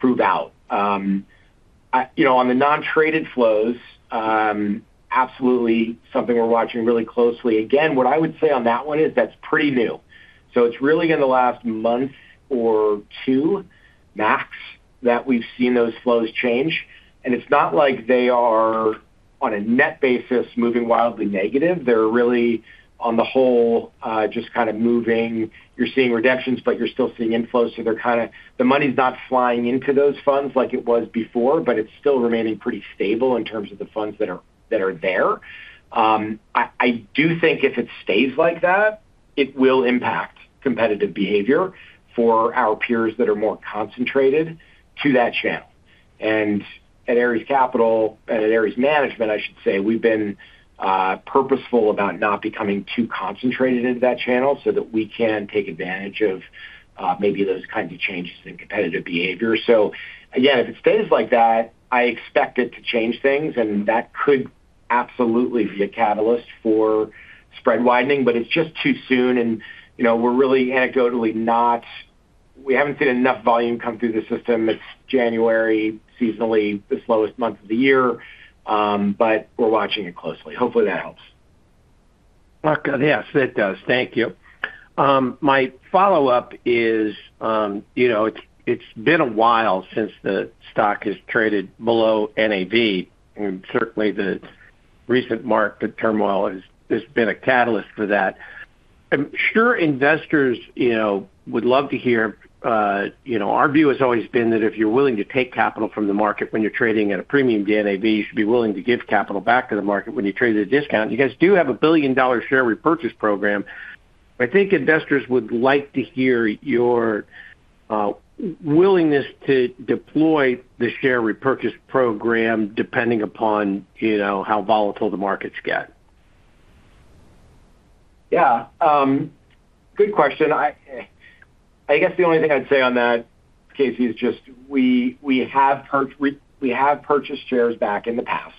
prove out. You know, on the non-traded flows, absolutely something we're watching really closely. Again, what I would say on that one is that's pretty new. So it's really in the last month or two, max, that we've seen those flows change, and it's not like they are, on a net basis, moving wildly negative. They're really, on the whole, just kind of moving. You're seeing redemptions, but you're still seeing inflows, so they're kind of, the money's not flying into those funds like it was before, but it's still remaining pretty stable in terms of the funds that are there. I do think if it stays like that, it will impact competitive behavior for our peers that are more concentrated to that channel. And at Ares Capital, and at Ares Management, I should say, we've been purposeful about not becoming too concentrated into that channel so that we can take advantage of, maybe those kinds of changes in competitive behavior. So again, if it stays like that, I expect it to change things, and that could absolutely be a catalyst for spread widening, but it's just too soon. You know, we're really anecdotally, we haven't seen enough volume come through the system. It's January, seasonally the slowest month of the year, but we're watching it closely. Hopefully, that helps.
Well, yes, it does. Thank you. My follow-up is, you know, it's been a while since the stock has traded below NAV, and certainly the recent market turmoil has been a catalyst for that. I'm sure investors, you know, would love to hear. You know, our view has always been that if you're willing to take capital from the market when you're trading at a premium to NAV, you should be willing to give capital back to the market when you trade at a discount. You guys do have a billion-dollar share repurchase program. I think investors would like to hear your willingness to deploy the share repurchase program, depending upon, you know, how volatile the markets get.
Yeah. Good question. I guess the only thing I'd say on that, Casey, is just we have purchased shares back in the past.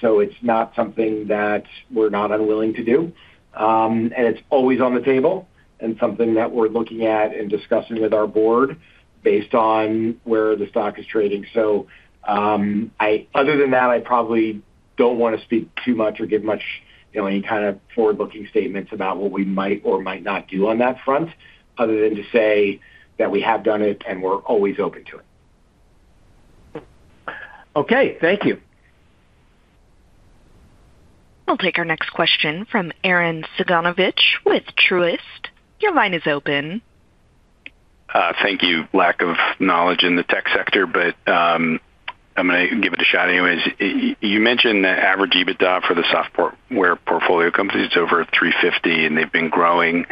So it's not something that we're not unwilling to do. And it's always on the table and something that we're looking at and discussing with our board based on where the stock is trading. So, other than that, I probably don't want to speak too much or give much, you know, any kind of forward-looking statements about what we might or might not do on that front, other than to say that we have done it, and we're always open to it.
Okay. Thank you.
We'll take our next question from Arren Cyganovich with Truist. Your line is open.
Thank you. Lack of knowledge in the tech sector, but, I'm going to give it a shot anyways. You mentioned the average EBITDA for the software portfolio companies. It's over 350, and they've been growing.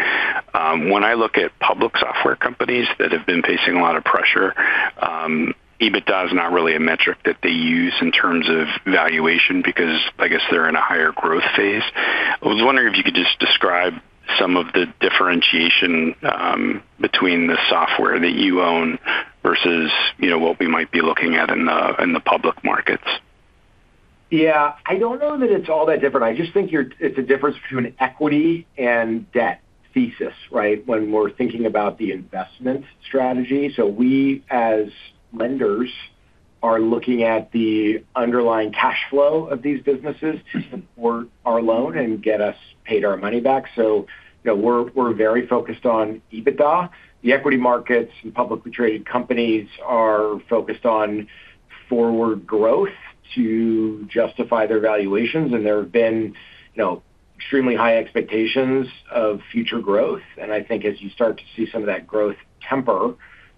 When I look at public software companies that have been facing a lot of pressure, EBITDA is not really a metric that they use in terms of valuation because I guess they're in a higher growth phase. I was wondering if you could just describe some of the differentiation, between the software that you own versus, you know, what we might be looking at in the, in the public markets.
Yeah. I don't know that it's all that different. I just think you're—it's a difference between equity and debt thesis, right? When we're thinking about the investment strategy. So we, as lenders, are looking at the underlying cash flow of these businesses to support our loan and get us paid our money back. So we're, we're very focused on EBITDA. The equity markets and publicly traded companies are focused on forward growth to justify their valuations, and there have been, you know, extremely high expectations of future growth. And I think as you start to see some of that growth temper,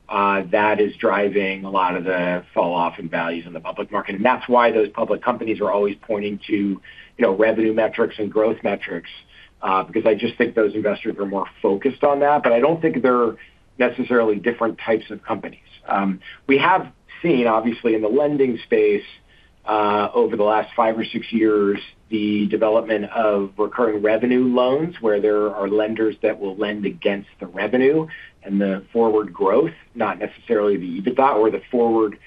that is driving a lot of the falloff in values in the public market. And that's why those public companies are always pointing to, you know, revenue metrics and growth metrics, because I just think those investors are more focused on that. I don't think they're necessarily different types of companies. We have seen, obviously, in the lending space over the last five or six years, the development of recurring revenue loans, where there are lenders that will lend against the revenue and the forward growth, not necessarily the EBITDA or the forward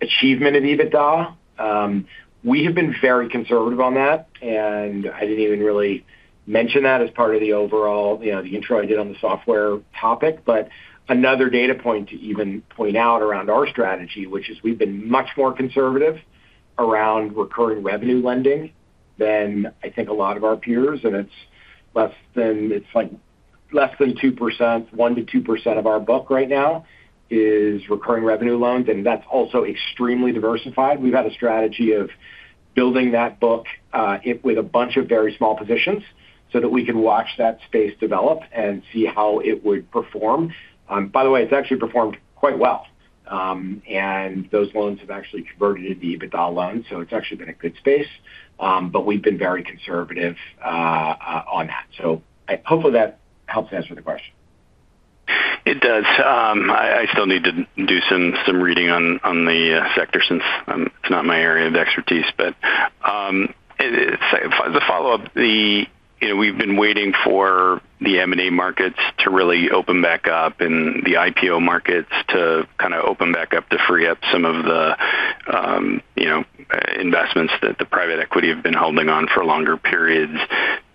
achievement of EBITDA. We have been very conservative on that, and I didn't even really mention that as part of the overall, you know, the intro I did on the software topic. Another data point to even point out around our strategy, which is we've been much more conservative around recurring revenue lending than I think a lot of our peers, and it's less than, it's like less than 2%. One to 2% of our book right now is recurring revenue loans, and that's also extremely diversified. We've had a strategy of building that book with a bunch of very small positions so that we can watch that space develop and see how it would perform. By the way, it's actually performed quite well. And those loans have actually converted into EBITDA loans, so it's actually been a good space. But we've been very conservative on that. So hopefully, that helps answer the question.
It does. I still need to do some reading on the sector since it's not my area of expertise, but it—so as a follow-up, the... You know, we've been waiting for the M&A markets to really open back up and the IPO markets to kind of open back up to free up some of the, you know, investments that the private equity have been holding on for longer periods.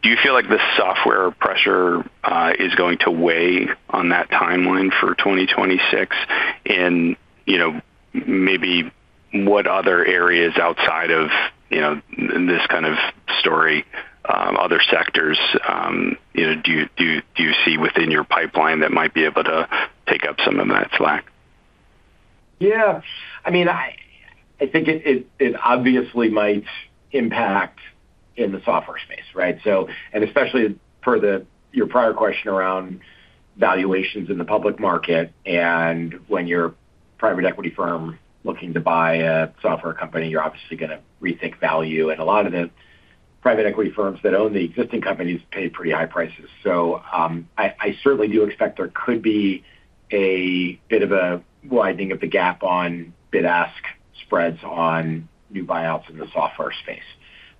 Do you feel like the software pressure is going to weigh on that timeline for 2026? And, you know, maybe what other areas outside of, you know, in this kind of story, other sectors, you know, do you see within your pipeline that might be able to pick up some of that slack?
Yeah. I mean, I think it obviously might impact in the software space, right? So, especially for the—your prior question around valuations in the public market, and when you're a private equity firm looking to buy a software company, you're obviously going to rethink value. And a lot of the private equity firms that own the existing companies pay pretty high prices. So, I certainly do expect there could be a bit of a widening of the gap on bid-ask spreads on new buyouts in the software space.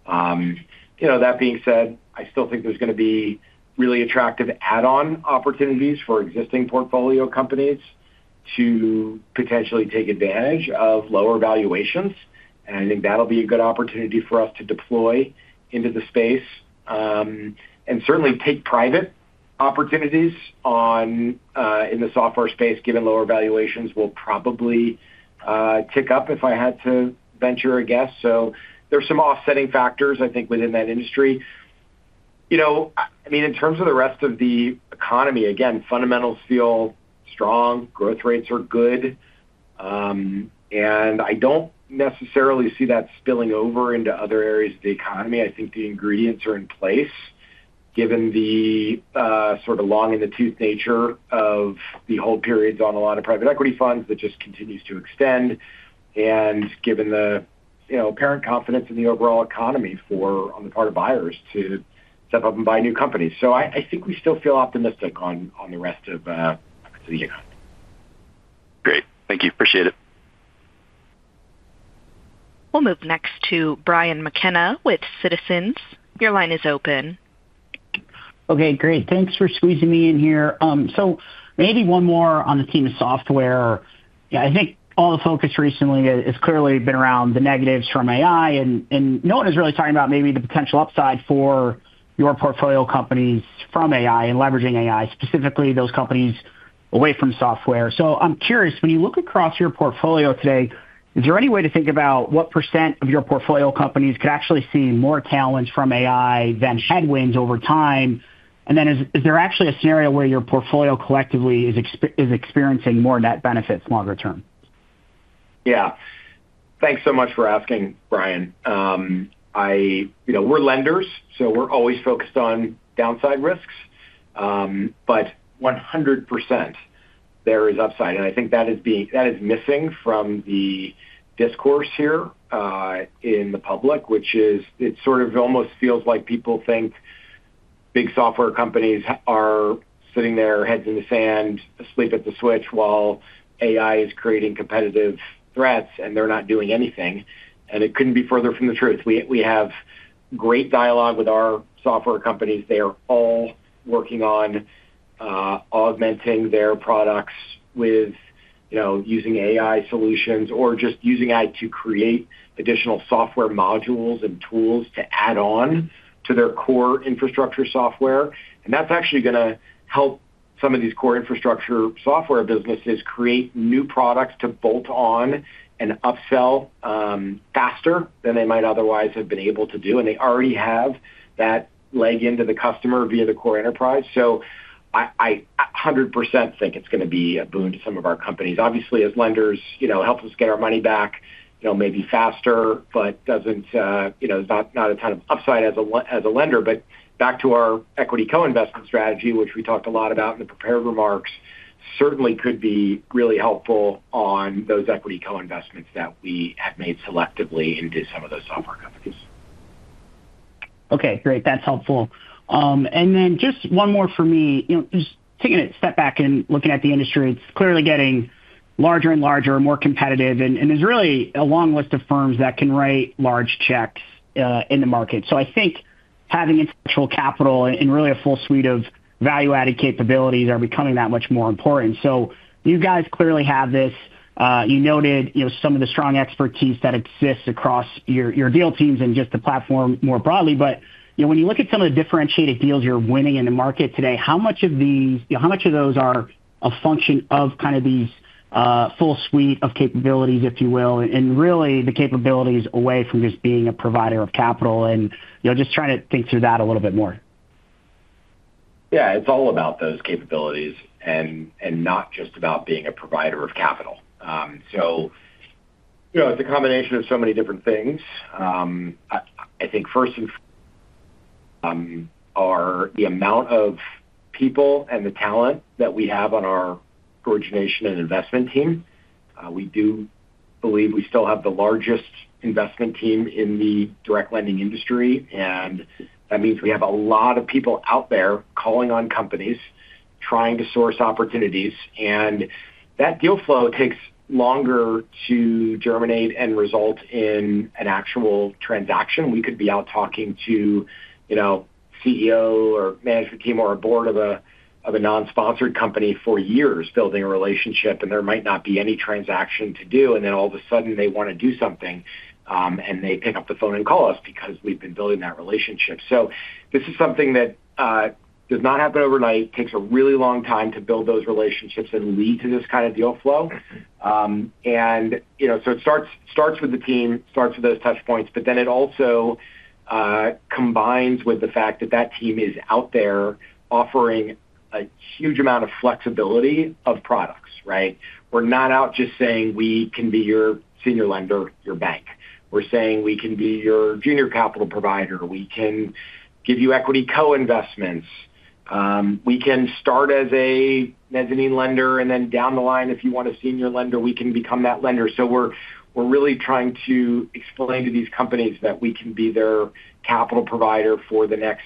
You know, that being said, I still think there's going to be really attractive add-on opportunities for existing portfolio companies to potentially take advantage of lower valuations, and I think that'll be a good opportunity for us to deploy into the space. Certainly, take private opportunities in the software space, given lower valuations will probably tick up if I had to venture a guess. There are some offsetting factors, I think, within that industry. You know, I mean, in terms of the rest of the economy, again, fundamentals feel strong, growth rates are good, and I don't necessarily see that spilling over into other areas of the economy. I think the ingredients are in place, given the sort of long-in-the-tooth nature of the hold periods on a lot of private equity funds that just continues to extend and given the, you know, apparent confidence in the overall economy for, on the part of buyers to step up and buy new companies. I think we still feel optimistic on the rest of the year.
Great. Thank you. Appreciate it.
We'll move next to Brian McKenna with Citizens. Your line is open.
Okay, great. Thanks for squeezing me in here. So maybe one more on the theme of software. Yeah, I think all the focus recently has clearly been around the negatives from AI, and no one is really talking about maybe the potential upside for your portfolio companies from AI and leveraging AI, specifically those companies away from software. So I'm curious, when you look across your portfolio today, is there any way to think about what % of your portfolio companies could actually see more tailwinds from AI than headwinds over time? And then is there actually a scenario where your portfolio collectively is experiencing more net benefits longer term?
Yeah. Thanks so much for asking, Brian. You know, we're lenders, so we're always focused on downside risks. But 100% there is upside, and I think that is missing from the discourse here in the public, which is it sort of almost feels like people think big software companies are sitting there, heads in the sand, asleep at the switch, while AI is creating competitive threats, and they're not doing anything, and it couldn't be further from the truth. We, we have great dialogue with our software companies. They are all working on augmenting their products with, you know, using AI solutions or just using AI to create additional software modules and tools to add on to their core infrastructure software. And that's actually going to help some of these core infrastructure software businesses create new products to bolt on and upsell faster than they might otherwise have been able to do, and they already have that leg into the customer via the core enterprise. I, 100% think it's gonna be a boon to some of our companies. Obviously, as lenders, you know, help us get our money back, you know, maybe faster, but doesn't, you know, there's not a ton of upside as a lender. But back to our equity co-investment strategy, which we talked a lot about in the prepared remarks, certainly could be really helpful on those equity co-investments that we have made selectively into some of those software companies.
Okay, great. That's helpful. And then just one more for me. You know, just taking a step back and looking at the industry, it's clearly getting larger and larger and more competitive, and there's really a long list of firms that can write large checks in the market. So I think having intellectual capital and really a full suite of value-added capabilities are becoming that much more important. So you guys clearly have this. You noted, you know, some of the strong expertise that exists across your deal teams and just the platform more broadly. You know, when you look at some of the differentiated deals you're winning in the market today, how much of these, you know, how much of those are a function of kind of these full suite of capabilities, if you will, and really the capabilities away from just being a provider of capital? And, you know, just trying to think through that a little bit more.
Yeah, it's all about those capabilities and not just about being a provider of capital. So, you know, it's a combination of so many different things. I think first and foremost, are the amount of people and the talent that we have on our origination and investment team. We do believe we still have the largest investment team in the direct lending industry, and that means we have a lot of people out there calling on companies, trying to source opportunities, and that deal flow takes longer to germinate and result in an actual transaction. We could be out talking to, you know, CEO or management team or a board of a, of a non-sponsored company for years, building a relationship, and there might not be any transaction to do, and then all of a sudden they wanna do something, and they pick up the phone and call us because we've been building that relationship. So this is something that does not happen overnight. Takes a really long time to build those relationships that lead to this kind of deal flow. And, you know, so it starts with the team, starts with those touch points, but then it also combines with the fact that that team is out there offering a huge amount of flexibility of products, right? We're not out just saying, "We can be your senior lender, your bank." We're saying, "We can be your junior capital provider. We can give you equity co-investments. We can start as a mezzanine lender, and then down the line, if you want a senior lender, we can become that lender." So we're really trying to explain to these companies that we can be their capital provider for the next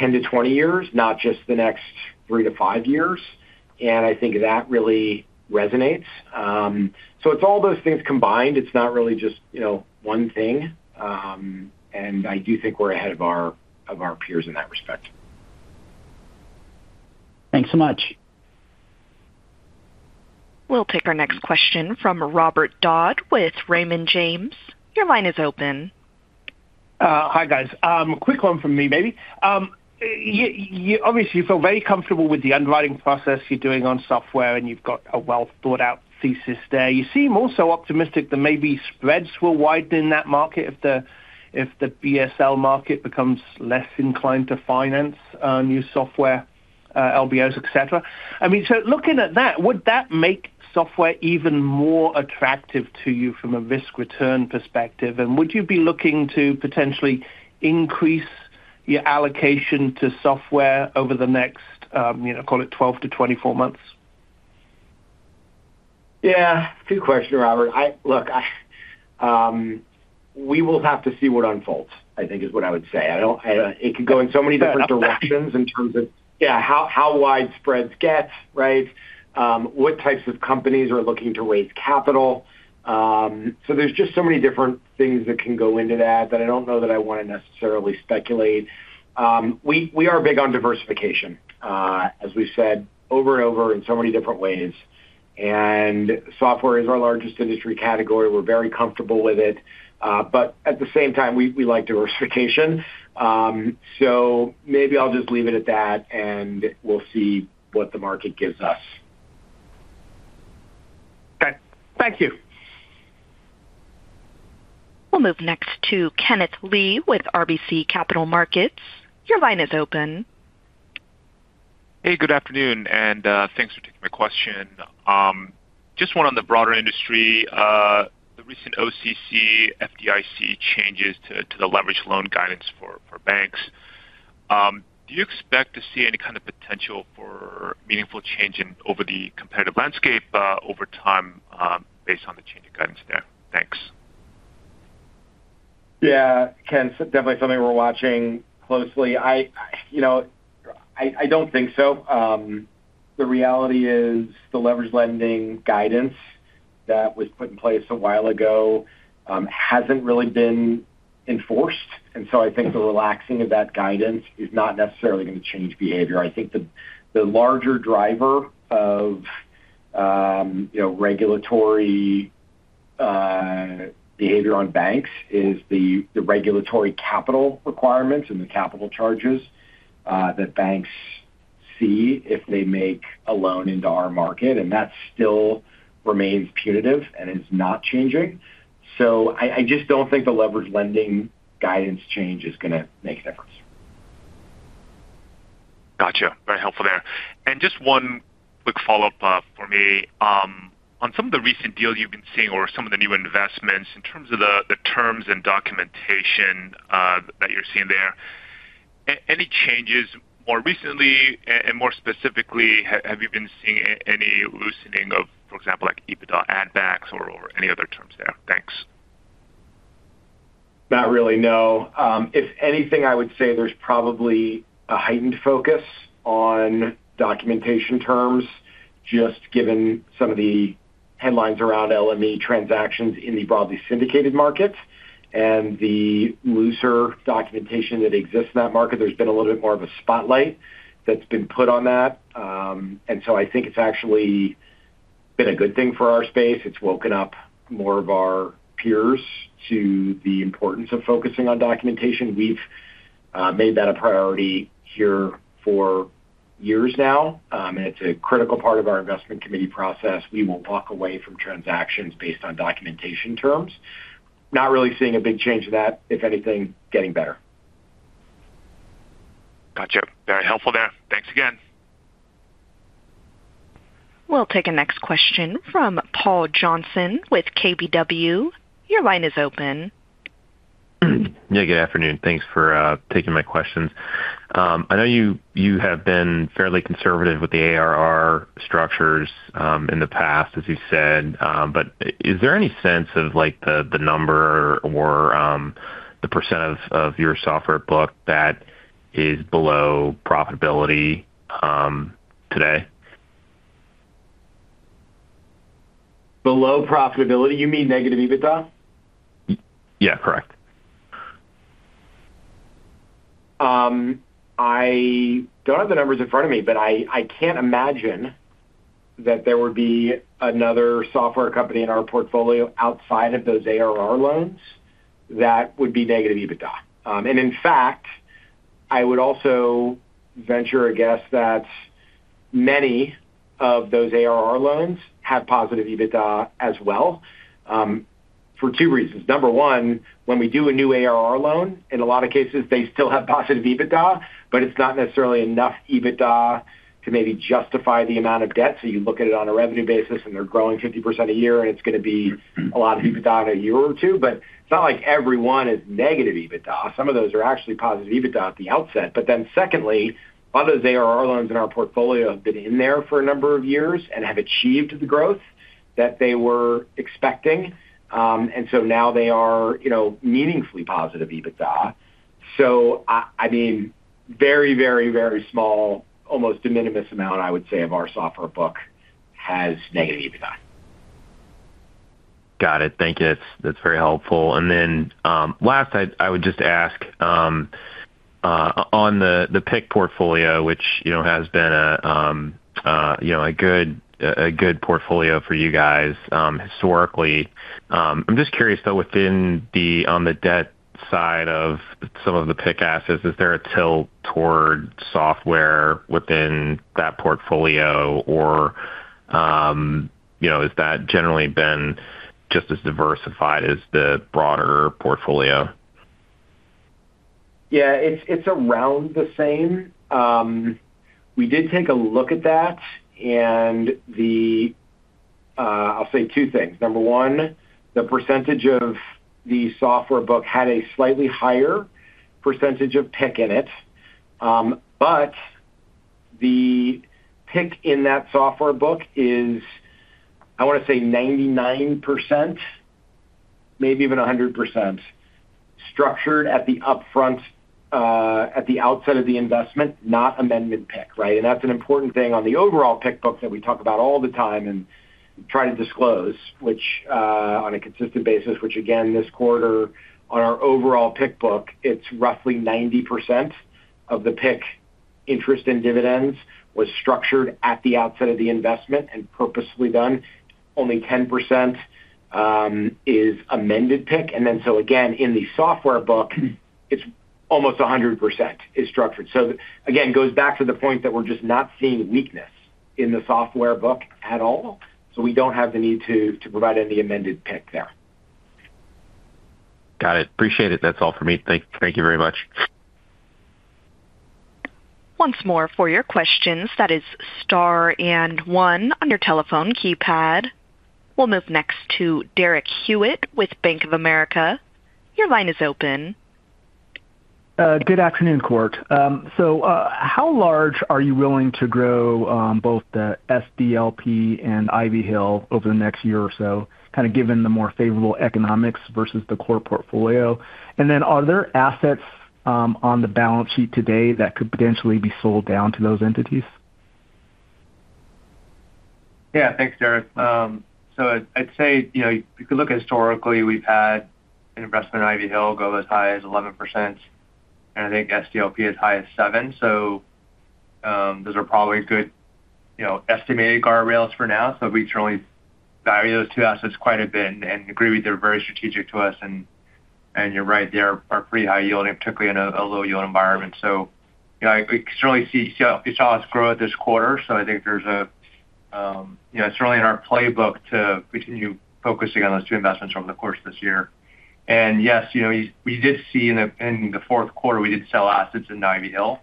10-20 years, not just the next 3-5 years, and I think that really resonates. So it's all those things combined. It's not really just, you know, one thing, and I do think we're ahead of our, of our peers in that respect.
Thanks so much.
We'll take our next question from Robert Dodd with Raymond James. Your line is open.
Hi, guys. Quick one from me, maybe. You obviously feel very comfortable with the underwriting process you're doing on software, and you've got a well-thought-out thesis there. You seem also optimistic that maybe spreads will widen in that market if the BSL market becomes less inclined to finance new software LBOs, et cetera. I mean, so looking at that, would that make software even more attractive to you from a risk-return perspective? And would you be looking to potentially increase your allocation to software over the next, you know, call it 12-24 months?
Yeah. Good question, Robert. I-- Look, I... We will have to see what unfolds, I think is what I would say. I don't, I... It could go in so many different directions in terms of, yeah, how, how wide spreads get, right? What types of companies are looking to raise capital. There's just so many different things that can go into that, that I don't know that I want to necessarily speculate. We, we are big on diversification, as we've said over and over in so many different ways, and software is our largest industry category. We're very comfortable with it, but at the same time, we, we like diversification. Maybe I'll just leave it at that, and we'll see what the market gives us.
Okay. Thank you.
We'll move next to Kenneth Lee with RBC Capital Markets. Your line is open.
Hey, good afternoon, and thanks for taking my question. Just one on the broader industry. The recent OCC, FDIC changes to the leveraged loan guidance for banks. Do you expect to see any kind of potential for meaningful change in over the competitive landscape over time, based on the change of guidance there? Thanks.
Yeah, Ken, definitely something we're watching closely. I, I, you know, I, I don't think so. The reality is, the leverage lending guidance that was put in place a while ago hasn't really been enforced, and so I think the relaxing of that guidance is not necessarily going to change behavior. I think the larger driver of, you know, regulatory behavior on banks is the regulatory capital requirements and the capital charges that banks see if they make a loan into our market, and that still remains punitive and is not changing. I just don't think the levered lending guidance change is going to make that clear.
Got you. Very helpful there. And just one quick follow-up for me. On some of the recent deals you've been seeing or some of the new investments in terms of the terms and documentation that you're seeing there, any changes more recently? And more specifically, have you been seeing any loosening of, for example, like EBITDA add backs or any other terms there? Thanks.
Not really, no. If anything, I would say there's probably a heightened focus on documentation terms, just given some of the headlines around LME transactions in the broadly syndicated markets and the looser documentation that exists in that market. There's been a little bit more of a spotlight that's been put on that. And so I think it's actually been a good thing for our space. It's woken up more of our peers to the importance of focusing on documentation. We've made that a priority here for years now, and it's a critical part of our investment committee process. We won't walk away from transactions based on documentation terms. Not really seeing a big change to that, if anything, getting better.
Got you. Very helpful there. Thanks again.
We'll take a next question from Paul Johnson with KBW. Your line is open.
Yeah, good afternoon. Thanks for taking my questions. I know you have been fairly conservative with the ARR structures in the past, as you said. But is there any sense of, like, the number or the percent of your software book that is below profitability today?
Below profitability, you mean negative EBITDA?
Y-yeah, correct.
I don't have the numbers in front of me, but I can't imagine that there would be another software company in our portfolio outside of those ARR loans that would be negative EBITDA. And in fact, I would also venture a guess that many of those ARR loans have positive EBITDA as well, for two reasons. Number one, when we do a new ARR loan, in a lot of cases, they still have positive EBITDA, but it's not necessarily enough EBITDA to maybe justify the amount of debt. So you look at it on a revenue basis, and they're growing 50% a year, and it's going to be a lot of EBITDA in a year or two. But it's not like every one is negative EBITDA. Some of those are actually positive EBITDA at the outset. But then secondly, a lot of the ARR loans in our portfolio have been in there for a number of years and have achieved the growth that they were expecting. And so now they are, you know, meaningfully positive EBITDA. So I mean, very, very, very small, almost de minimis amount, I would say, of our software book has negative EBITDA.
Got it. Thank you. That's very helpful. And then, last, I would just ask, on the PIK portfolio, which, you know, has been a good portfolio for you guys, historically. I'm just curious, though, within, on the debt side of some of the PIK assets, is there a tilt toward software within that portfolio? Or, you know, has that generally been just as diversified as the broader portfolio?
Yeah, it's, it's around the same. We did take a look at that, and the... I'll say two things. Number one, the percentage of the software book had a slightly higher percentage of PIK in it. But the PIK in that software book is, I want to say, 99%, maybe even 100%, structured at the upfront, at the outset of the investment, not amendment PIK, right? And that's an important thing on the overall PIK book that we talk about all the time and try to disclose, which, on a consistent basis, which again, this quarter, on our overall PIK book, it's roughly 90% of the PIK interest and dividends was structured at the outset of the investment and purposefully done. Only 10% is amended PIK. And then so again, in the software book, it's almost 100% is structured. So again, it goes back to the point that we're just not seeing weakness in the software book at all, so we don't have the need to provide any amended PIK there.
Got it. Appreciate it. That's all for me. Thank you very much.
Once more for your questions, that is star and one on your telephone keypad. We'll move next to Derek Hewitt with Bank of America. Your line is open.
Good afternoon, Kort. So, how large are you willing to grow both the SDLP and Ivy Hill over the next year or so, kind of given the more favorable economics versus the core portfolio? And then are there assets on the balance sheet today that could potentially be sold down to those entities?
Yeah. Thanks, Derek. So I'd, I'd say, you know, if you look historically, we've had an investment in Ivy Hill go as high as 11%, and I think SDLP as high as 7%. So, those are probably good, you know, estimated guardrails for now. So we certainly value those two assets quite a bit and agree with they're very strategic to us, and, and you're right, they are, are pretty high yielding, particularly in a, a low-yield environment. So, you know, I-we certainly see, saw, you saw us grow this quarter, so I think there's a, you know, certainly in our playbook to continue focusing on those two investments over the course of this year. Yes, you know, we did see in the fourth quarter we did sell assets in Ivy Hill,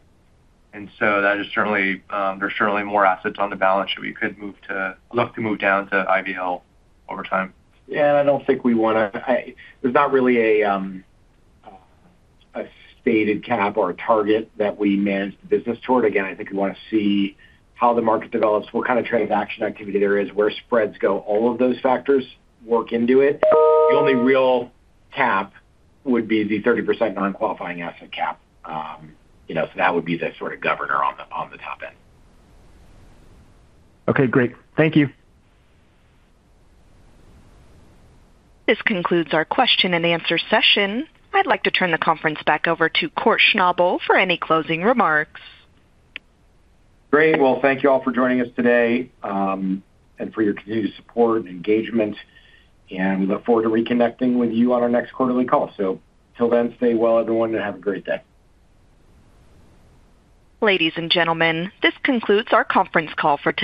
and so that is certainly, there's certainly more assets on the balance that we could look to move down to Ivy Hill over time.
Yeah, I don't think we want to. There's not really a stated cap or a target that we manage the business toward. Again, I think we want to see how the market develops, what kind of transaction activity there is, where spreads go. All of those factors work into it. The only real cap would be the 30% non-qualifying asset cap. You know, so that would be the sort of governor on the top end.
Okay, great. Thank you.
This concludes our question and answer session. I'd like to turn the conference back over to Kort Schnabel for any closing remarks.
Great. Well, thank you all for joining us today, and for your continued support and engagement, and we look forward to reconnecting with you on our next quarterly call. So till then, stay well, everyone, and have a great day.
Ladies and gentlemen, this concludes our conference call for today.